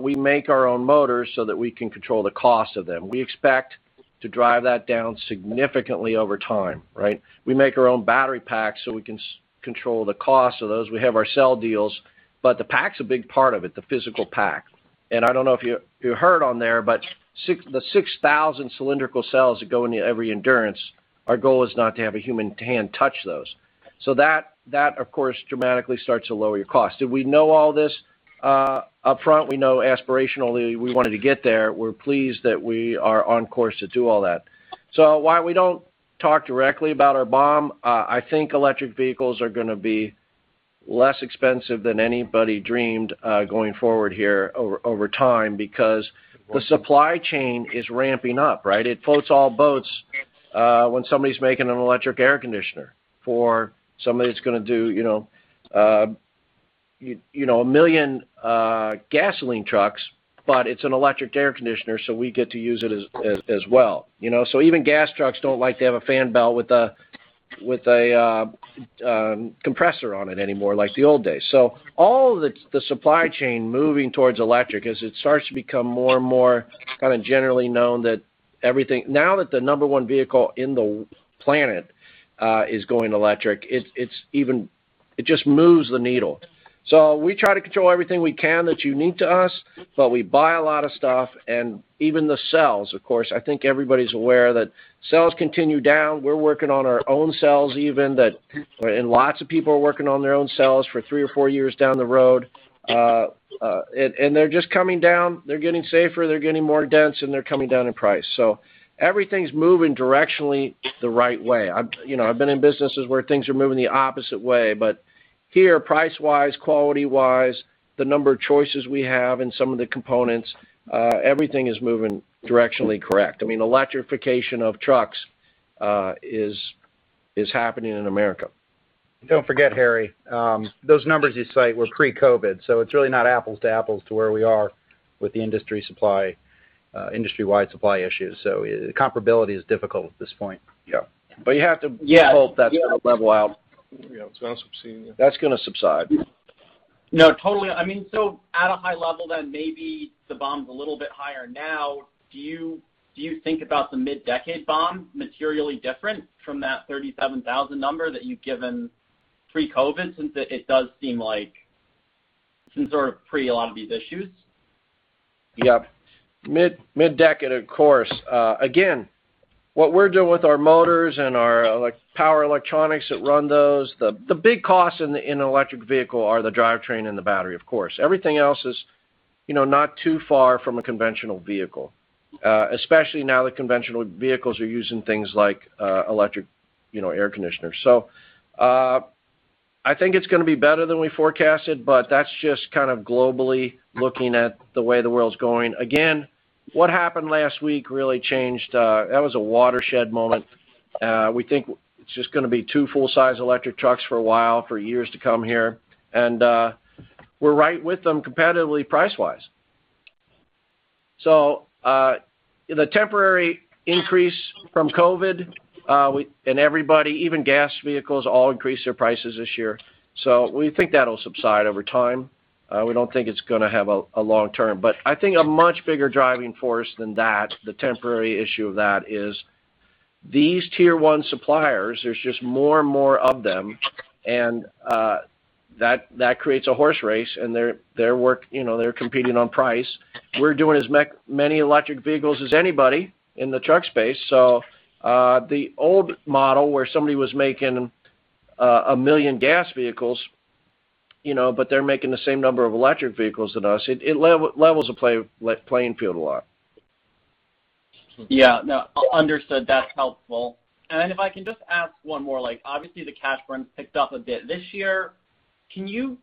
We make our own motors so that we can control the cost of them. We expect to drive that down significantly over time. We make our own battery packs so we can control the cost of those. We have our cell deals, but the pack's a big part of it, the physical pack. I don't know if you heard on there, but the 6,000 cylindrical cells that go into every Endurance, our goal is not to have a human hand touch those. That, of course, dramatically starts to lower your cost. Did we know all this upfront? We know aspirationally we wanted to get there. We're pleased that we are on course to do all that. Why we don't talk directly about our BOM, I think electric vehicles are going to be less expensive than anybody dreamed going forward here over time because the supply chain is ramping up. It floats all boats when somebody's making an electric air conditioner for somebody that's going to do a million gasoline trucks, but it's an electric air conditioner, so we get to use it as well. Even gas trucks don't like to have a fan belt with a compressor on it anymore, like the old days. All of the supply chain moving towards electric as it starts to become more and more generally known that, now that the number one vehicle in the planet is going electric, it just moves the needle. We try to control everything we can that's unique to us, but we buy a lot of stuff and even the cells, of course. I think everybody's aware that cells continue down. We're working on our own cells even, and lots of people are working on their own cells for three or four years down the road. They're just coming down. They're getting safer, they're getting more dense, and they're coming down in price. Everything's moving directionally the right way. I've been in businesses where things are moving the opposite way. Here, price-wise, quality-wise, the number of choices we have and some of the components, everything is moving directionally correct. Electrification of trucks is happening in America. Don't forget, Harry, those numbers you cite were pre-COVID, so it's really not apples to apples to where we are with the industry-wide supply issues. Comparability is difficult at this point. Yeah. You have to hope that's going to level out. Yeah. That's going to subside. Totally. At a high level, maybe the BOM's a little bit higher now. Do you think about the mid-decade BOM materially different from that 37,000 number that you'd given pre-COVID, since it does seem like some sort of pre a lot of these issues? Yep. Mid-decade, of course. What we're doing with our motors and our power electronics that run those, the big costs in an electric vehicle are the drivetrain and the battery, of course. Everything else is not too far from a conventional vehicle, especially now that conventional vehicles are using things like electric air conditioners. I think it's going to be better than we forecasted, but that's just globally looking at the way the world's going. What happened last week really changed. That was a watershed moment. We think it's just going to be two full-size electric trucks for a while, for years to come here, and we're right with them competitively price-wise. The temporary increase from COVID, and everybody, even gas vehicles, all increased their prices this year. We think that'll subside over time. We don't think it's going to have a long term. I think a much bigger driving force than that, the temporary issue of that is these Tier 1 suppliers, there's just more and more of them, and that creates a horse race, and they're competing on price. We're doing as many electric vehicles as anybody in the truck space. The old model where somebody was making one million gas vehicles, but they're making the same number of electric vehicles as us, it levels the playing field a lot. Yeah. No, understood. That's helpful. If I can just ask one more. Obviously, the cash burn's picked up a bit this year. Can you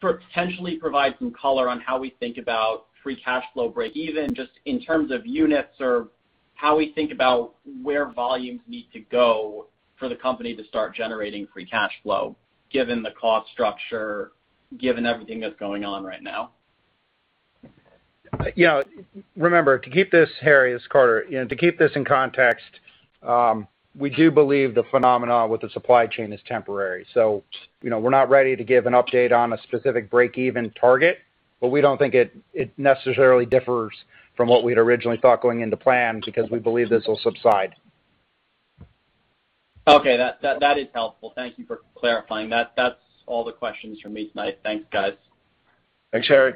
potentially provide some color on how we think about free cash flow break even, just in terms of units or how we think about where volumes need to go for the company to start generating free cash flow given the cost structure, given everything that's going on right now? Yeah. Remember, to keep this, Harry, this quarter, to keep this in context, we do believe the phenomena with the supply chain is temporary. We're not ready to give an update on a specific breakeven target, but we don't think it necessarily differs from what we'd originally thought going into plans because we believe this will subside. Okay. That is helpful. Thank you for clarifying. That's all the questions from me tonight. Thanks, guys. Thanks, Harry.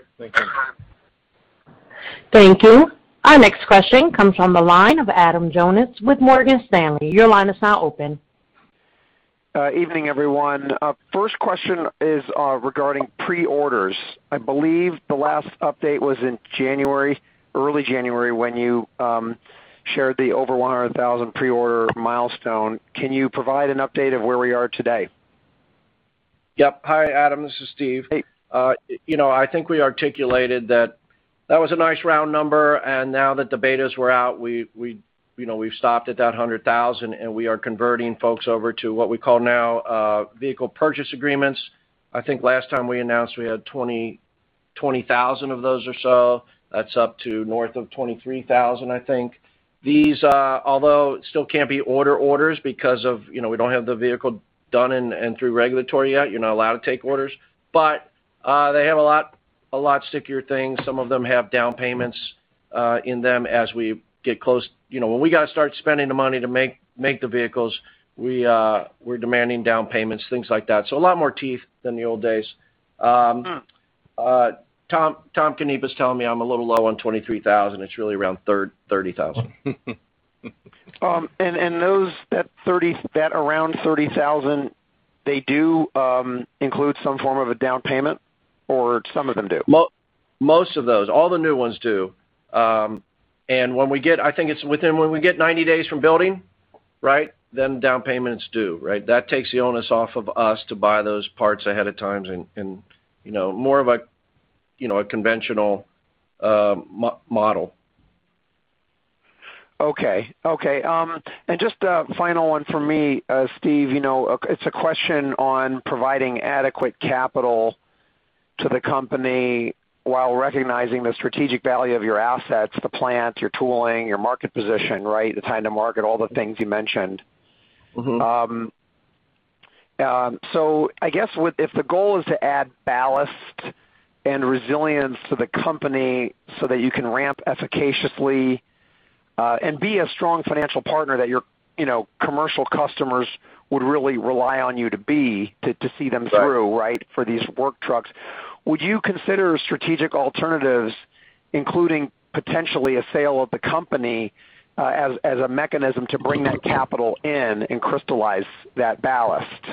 Thank you. Our next question comes on the line of Adam Jonas with Morgan Stanley. Your line is now open. Evening, everyone. First question is regarding pre-orders. I believe the last update was in January, early January, when you shared the over 100,000 pre-order milestone. Can you provide an update of where we are today? Yep. Hi, Adam. This is Steve. Hey. I think we articulated that that was a nice round number, and now that the betas were out, we've stopped at that 100,000 and we are converting folks over to what we call now vehicle purchase agreements. I think last time we announced we had 20,000 of those or so. That's up to north of 23,000, I think. These, although it still can't be order orders because we don't have the vehicle done and through regulatory yet, allowed to take orders. They have a lot stickier things. Some of them have down payments in them as we get close. When we got to start spending the money to make the vehicles, we're demanding down payments, things like that. A lot more teeth than the old days. Tom Canepa's telling me I'm a little low on 23,000. It's really around 30,000. Those that around 30,000, they do include some form of a down payment, or some of them do? Most of those. All the new ones do. When we get, I think it's within when we get 90 days from building, right, down payment's due, right? That takes the onus off of us to buy those parts ahead of time and more of a conventional model. Okay. Just a final one for me, Steve. It's a question on providing adequate capital to the company while recognizing the strategic value of your assets, the plants, your tooling, your market position, right? The time to market, all the things you mentioned. I guess if the goal is to add ballast and resilience to the company so that you can ramp efficaciously, and be a strong financial partner that your commercial customers would really rely on you to be to see them through. Right for these work trucks, would you consider strategic alternatives, including potentially a sale of the company, as a mechanism to bring that capital in and crystallize that ballast?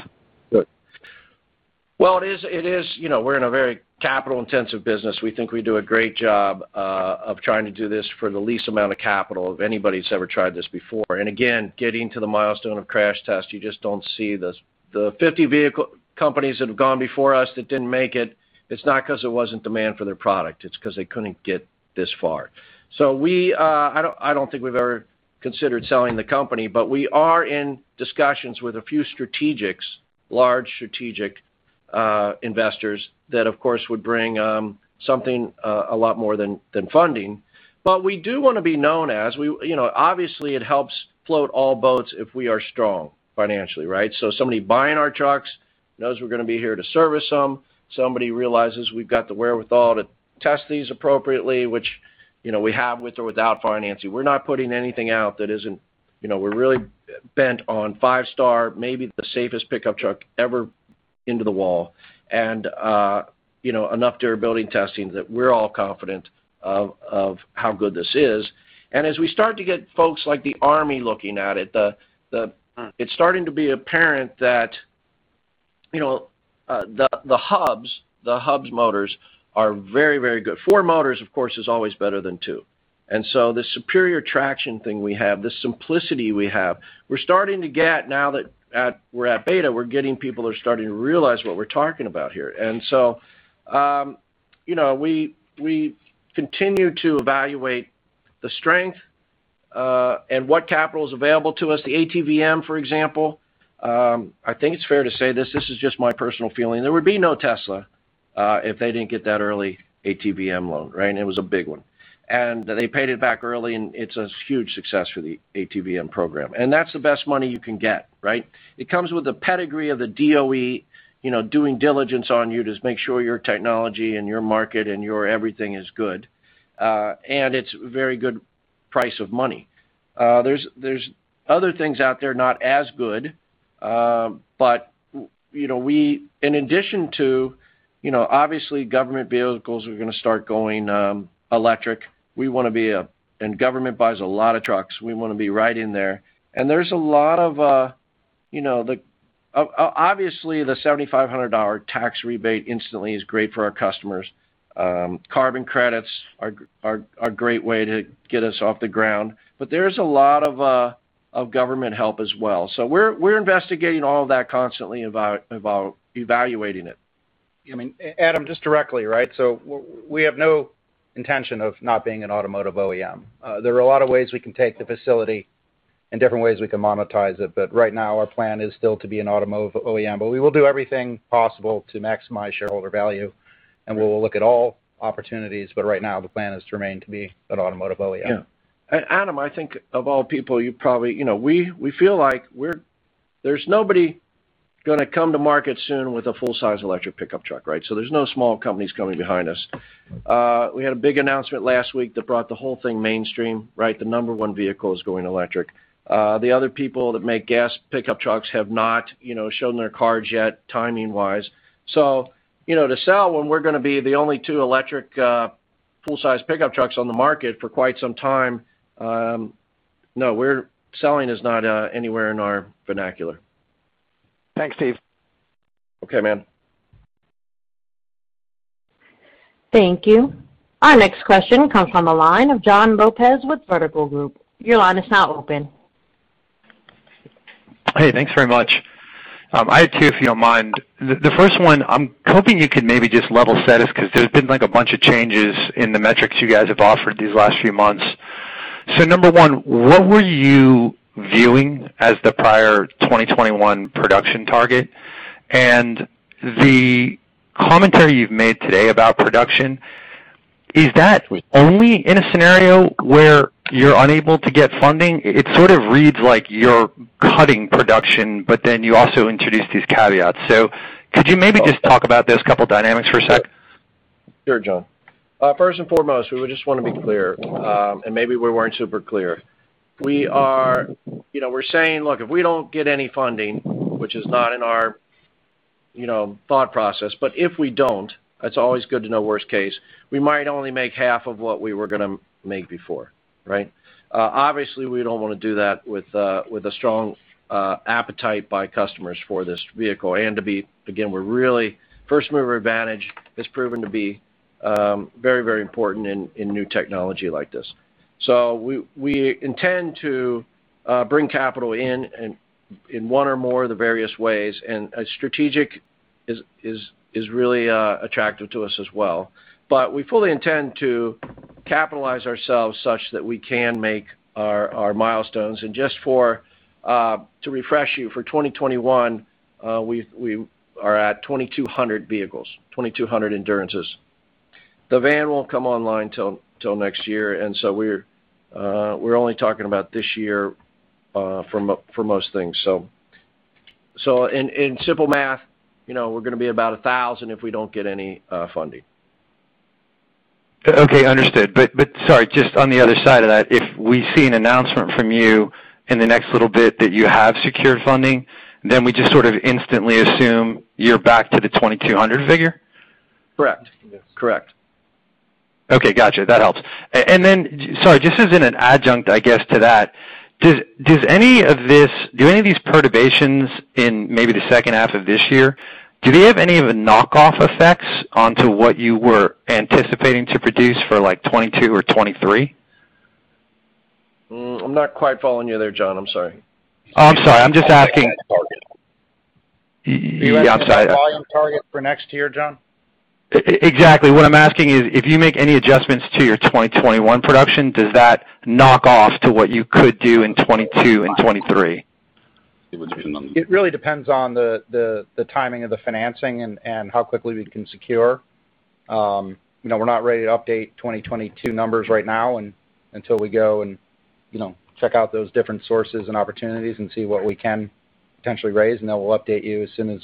Well, we're in a very capital-intensive business. We think we do a great job of trying to do this for the least amount of capital of anybody who's ever tried this before. Again, getting to the milestone of crash test, you just don't see the 50 vehicle companies that have gone before us that didn't make it. It's not because there wasn't demand for their product. It's because they couldn't get this far. I don't think we've ever considered selling the company, but we are in discussions with a few strategics, large strategic investors that of course would bring something a lot more than funding. We do want to be known as. Obviously, it helps float all boats if we are strong financially, right? Somebody buying our trucks knows we're going to be here to service them. Somebody realizes we've got the wherewithal to test these appropriately, which we have with or without financing. We're not putting anything out. We're really bent on five-star, maybe the safest pickup truck ever into the wall. Enough durability testing that we're all confident of how good this is. As we start to get folks like the Army looking at it's starting to be apparent that the hub motors are very, very good. Four motors, of course, is always better than two. The superior traction thing we have, the simplicity we have, we're starting to get now that we're at beta, we're getting people are starting to realize what we're talking about here. We continue to evaluate the strength, and what capital is available to us, the ATVM, for example. I think it's fair to say this is just my personal feeling. There would be no Tesla, if they didn't get that early ATVM loan, right? It was a big one. They paid it back early, and it's a huge success for the ATVM program. That's the best money you can get, right? It comes with a pedigree of the DOE, doing diligence on you to make sure your technology and your market and your everything is good. It's a very good price of money. There's other things out there not as good. In addition to, obviously government vehicles are going to start going electric. Government buys a lot of trucks, so we want to be right in there. Obviously, the $7,500 tax rebate instantly is great for our customers. Carbon credits are a great way to get us off the ground. There's a lot of government help as well. We're investigating all that constantly, evaluating it. Adam, just directly, right? We have no intention of not being an automotive OEM. There are a lot of ways we can take the facility. Different ways we can monetize it. Right now, our plan is still to be an automotive OEM. We will do everything possible to maximize shareholder value, and we'll look at all opportunities. Right now, the plan is to remain to be an automotive OEM. Adam, I think of all people, we feel like there's nobody going to come to market soon with a full-size electric pickup truck. There's no small companies coming behind us. We had a big announcement last week that brought the whole thing mainstream. The number one vehicle is going electric. The other people that make gas pickup trucks have not shown their cards yet, timing-wise. To sell when we're going to be the only two electric, full-size pickup trucks on the market for quite some time. No, selling is not anywhere in our vernacular. Thanks, Steve. Okay, man. Thank you. Our next question comes from the line of Jon Lopez with Vertical Group. Your line is now open. Hey, thanks very much. I have two, if you don't mind. The first one, I'm hoping you could maybe just level set us because there's been a bunch of changes in the metrics you guys have offered these last few months. Number one, what were you viewing as the prior 2021 production target? The commentary you've made today about production, is that only in a scenario where you're unable to get funding? It sort of reads like you're cutting production, but then you also introduced these caveats. Could you maybe just talk about those couple dynamics for a sec? Sure, John. First and foremost, we just want to be clear, and maybe we weren't super clear. We're saying, look, if we don't get any funding, which is not in our thought process, but if we don't, it's always good to know worst case, we might only make half of what we were going to make before. Right? Obviously, we don't want to do that with a strong appetite by customers for this vehicle. To be, again, we're really first-mover advantage. It's proven to be very, very important in new technology like this. We intend to bring capital in one or more of the various ways, and a strategic is really attractive to us as well. We fully intend to capitalize ourselves such that we can make our milestones. Just to refresh you, for 2021, we are at 2,200 vehicles, 2,200 Endurances. The van won't come online till next year, and so we're only talking about this year for most things. In simple math, we're going to be about 1,000 if we don't get any funding. Okay, understood. Sorry, just on the other side of that, if we see an announcement from you in the next little bit that you have secured funding, then we just instantly assume you're back to the 2,200 figure? Correct. Okay, got you. That helps. Sorry, just as an adjunct, I guess, to that, do any of these perturbations in maybe the second half of this year, do they have any of the knockoff effects onto what you were anticipating to produce for 2022 or 2023? I'm not quite following you there, John. I'm sorry. I'm sorry. I'm just asking. Do you want the volume target for next year, John? Exactly. What I'm asking is, if you make any adjustments to your 2021 production, does that knock off to what you could do in 2022 and 2023? It really depends on the timing of the financing and how quickly we can secure. We're not ready to update 2022 numbers right now until we go and check out those different sources and opportunities and see what we can potentially raise, and then we'll update you as soon as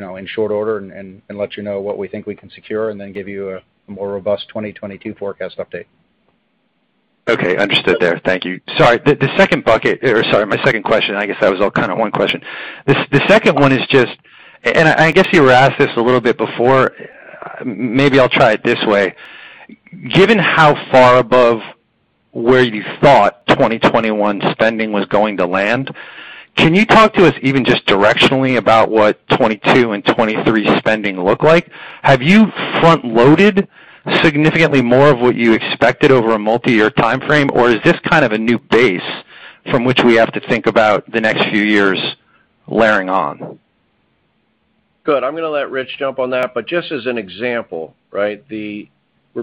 in short order and let you know what we think we can secure and then give you a more robust 2022 forecast update. Okay. Understood there. Thank you. Sorry, my second question, I guess that was all one question. The second one is just. I guess you were asked this a little bit before. Maybe I'll try it this way. Given how far above where you thought 2021 spending was going to land, can you talk to us even just directionally about what 2022 and 2023 spending look like? Have you front-loaded significantly more of what you expected over a multi-year timeframe, or is this kind of a new base from which we have to think about the next few years layering on? Good. I'm going to let Rich jump on that, but just as an example, we're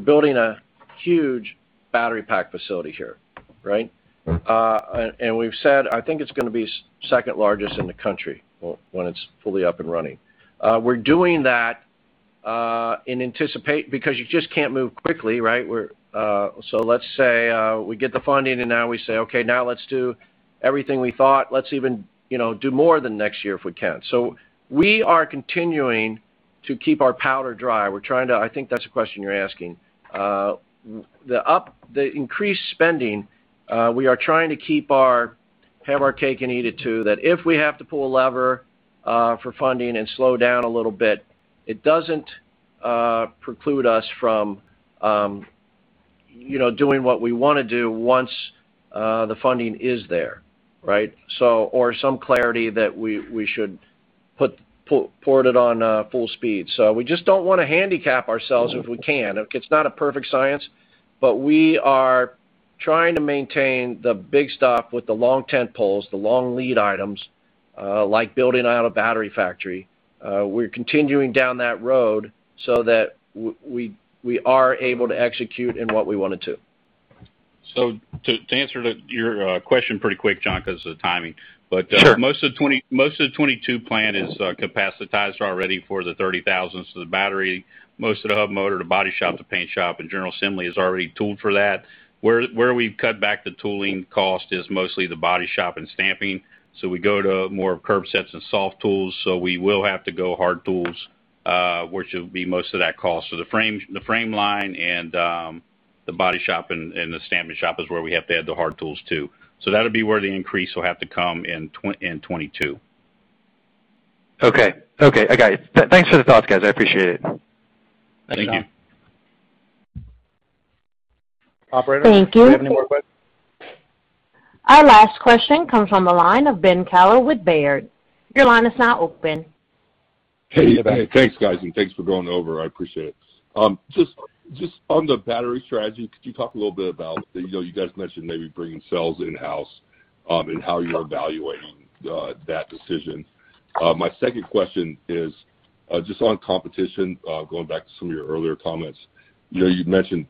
building a huge battery pack facility here. Right? We've said, I think it's going to be second largest in the country when it's fully up and running. We're doing that because you just can't move quickly. Let's say we get the funding, and now we say, "Okay, now let's do everything we thought. Let's even do more than next year if we can." We are continuing to keep our powder dry. I think that's the question you're asking. The increased spending, we are trying to keep our hammer, cake, and eat it too, that if we have to pull a lever for funding and slow down a little bit, it doesn't preclude us from doing what we want to do once the funding is there. Some clarity that we should put it on full speed. We just don't want to handicap ourselves if we can. It's not a perfect science, but we are trying to maintain the big stock with the long tent poles, the long lead items. Like building out a battery factory. We are continuing down that road so that we are able to execute in what we want to do. To answer your question pretty quick, John, because of the timing. Sure. Most of 2022 plan is capacitized already for the 30,000. The battery, most of the hub motor, the body shop, the paint shop, and general assembly is already tooled for that. Where we cut back the tooling cost is mostly the body shop and stamping, we go to more curved sets and soft tools. We will have to go hard tools, which will be most of that cost. The frame line and the body shop and the stamping shop is where we have to add the hard tools, too. That'll be where the increase will have to come in 2022. Okay. I got it. Thanks for the thoughts, guys. I appreciate it. Thank you. Operator, we have any more questions? Thank you. Our last question comes from the line of Ben Kallo with Baird. Your line is now open. Hey. Thanks, guys, and thanks for going over. I appreciate it. Just on the battery strategy, could you talk a little bit about, you guys mentioned maybe bringing cells in-house, and how you're evaluating that decision? My second question is just on competition, going back to some of your earlier comments. You mentioned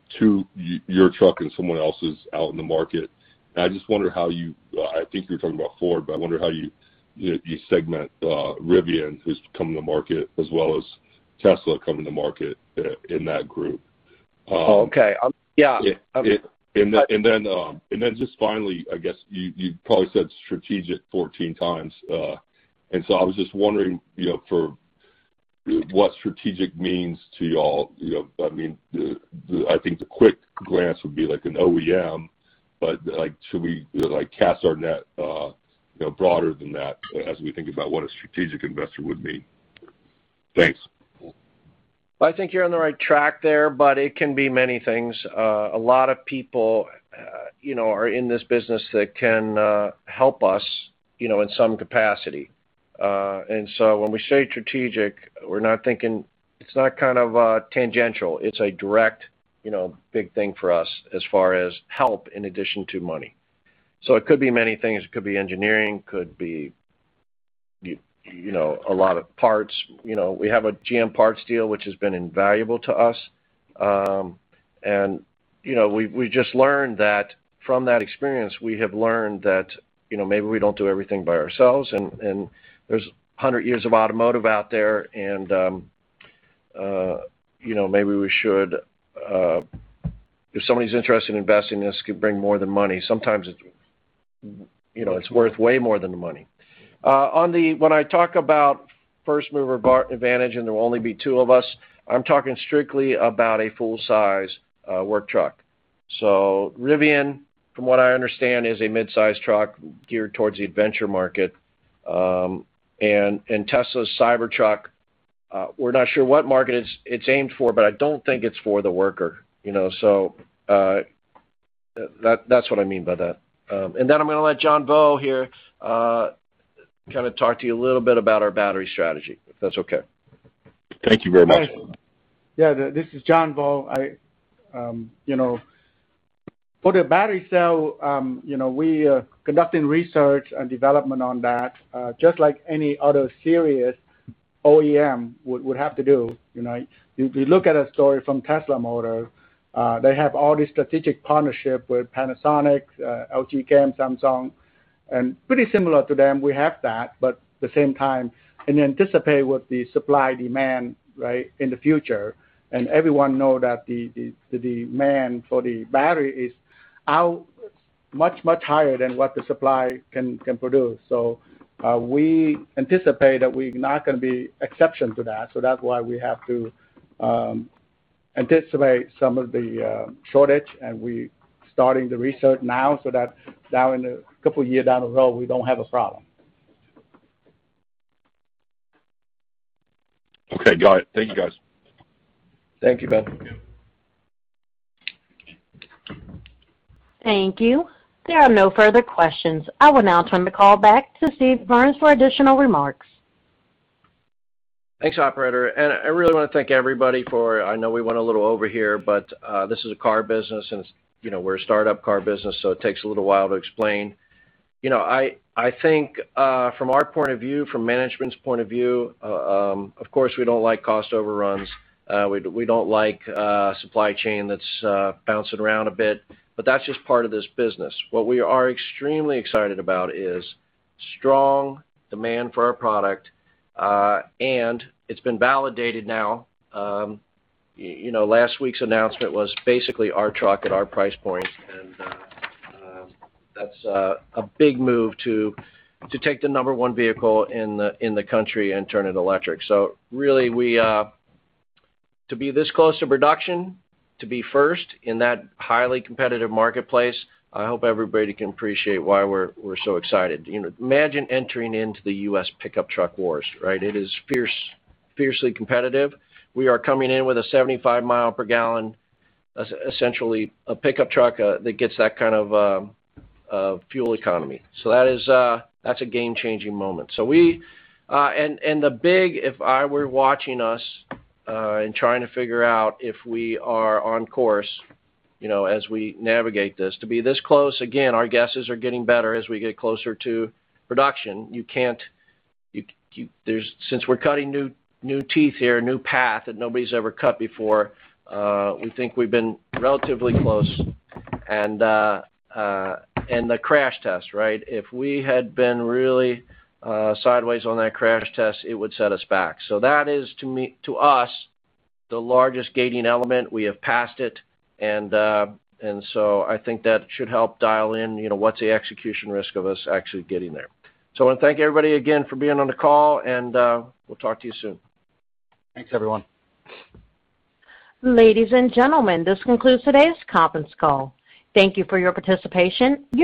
your truck and someone else's out in the market. I think you're talking about Ford. I wonder how you segment Rivian, who's come to the market, as well as Tesla coming to market in that group. Okay. Yeah. Just finally, I guess you probably said strategic 14x. I was just wondering what strategic means to you all. I think the quick glance would be like an OEM, but should we cast our net broader than that as we think about what a strategic investor would mean? Thanks. I think you're on the right track there. It can be many things. A lot of people are in this business that can help us in some capacity. When we say strategic, we're not thinking. It's not tangential. It's a direct big thing for us as far as help in addition to money. It could be many things. It could be engineering, could be a lot of parts. We have a GM parts deal, which has been invaluable to us. From that experience, we have learned that maybe we don't do everything by ourselves, and there's 100 years of automotive out there and maybe we should. If somebody's interested in investing, this could bring more than money. Sometimes it's worth way more than the money. When I talk about first-mover advantage and there will only be two of us, I'm talking strictly about a full-size work truck. Rivian, from what I understand, is a mid-size truck geared towards the adventure market. Tesla's Cybertruck, we're not sure what market it's aimed for, but I don't think it's for the worker. That's what I mean by that. Then I'm going to let John Vo here talk to you a little bit about our battery strategy, if that's okay. Thank you very much. Yeah. This is John Vo. For the battery cell, we are conducting research and development on that, just like any other serious OEM would have to do. If you look at a story from Tesla Motor, they have all these strategic partnerships with Panasonic, LG Chem, Samsung. Pretty similar to them, we have that, but at the same time, and anticipate what the supply-demand in the future. Everyone know that the demand for the battery is much higher than what the supply can produce. We anticipate that we're not going to be exception to that. That's why we have to anticipate some of the shortage, and we starting the research now so that in a couple year down the road, we don't have a problem. Okay, got it. Thank you, guys. Thank you, Ben. Thank you. There are no further questions. I will now turn the call back to Steve Burns for additional remarks. Thanks, operator. I really want to thank everybody for. I know we went a little over here, but this is a car business, and we're a startup car business, so it takes a little while to explain. I think from our point of view, from management's point of view, of course, we don't like cost overruns. We don't like supply chain that's bouncing around a bit, but that's just part of this business. What we are extremely excited about is strong demand for our product. It's been validated now. Last week's announcement was basically our truck at our price point, and that's a big move to take the number one vehicle in the country and turn it electric. Really, to be this close to production, to be first in that highly competitive marketplace, I hope everybody can appreciate why we're so excited. Imagine entering into the U.S. pickup truck wars, right? It is fiercely competitive. We are coming in with a 75 MPG, essentially a pickup truck that gets that kind of fuel economy. That's a game-changing moment. If I were watching us and trying to figure out if we are on course as we navigate this, to be this close, again, our guesses are getting better as we get closer to production. Since we're cutting new teeth here, a new path that nobody's ever cut before, we think we've been relatively close. The crash test, right? If we had been really sideways on that crash test, it would set us back. That is, to us, the largest gating element. We have passed it, I think that should help dial in what's the execution risk of us actually getting there. I thank everybody again for being on the call, and we'll talk to you soon. Thanks, everyone. Ladies and gentlemen, this concludes today's conference call. Thank you for your participation.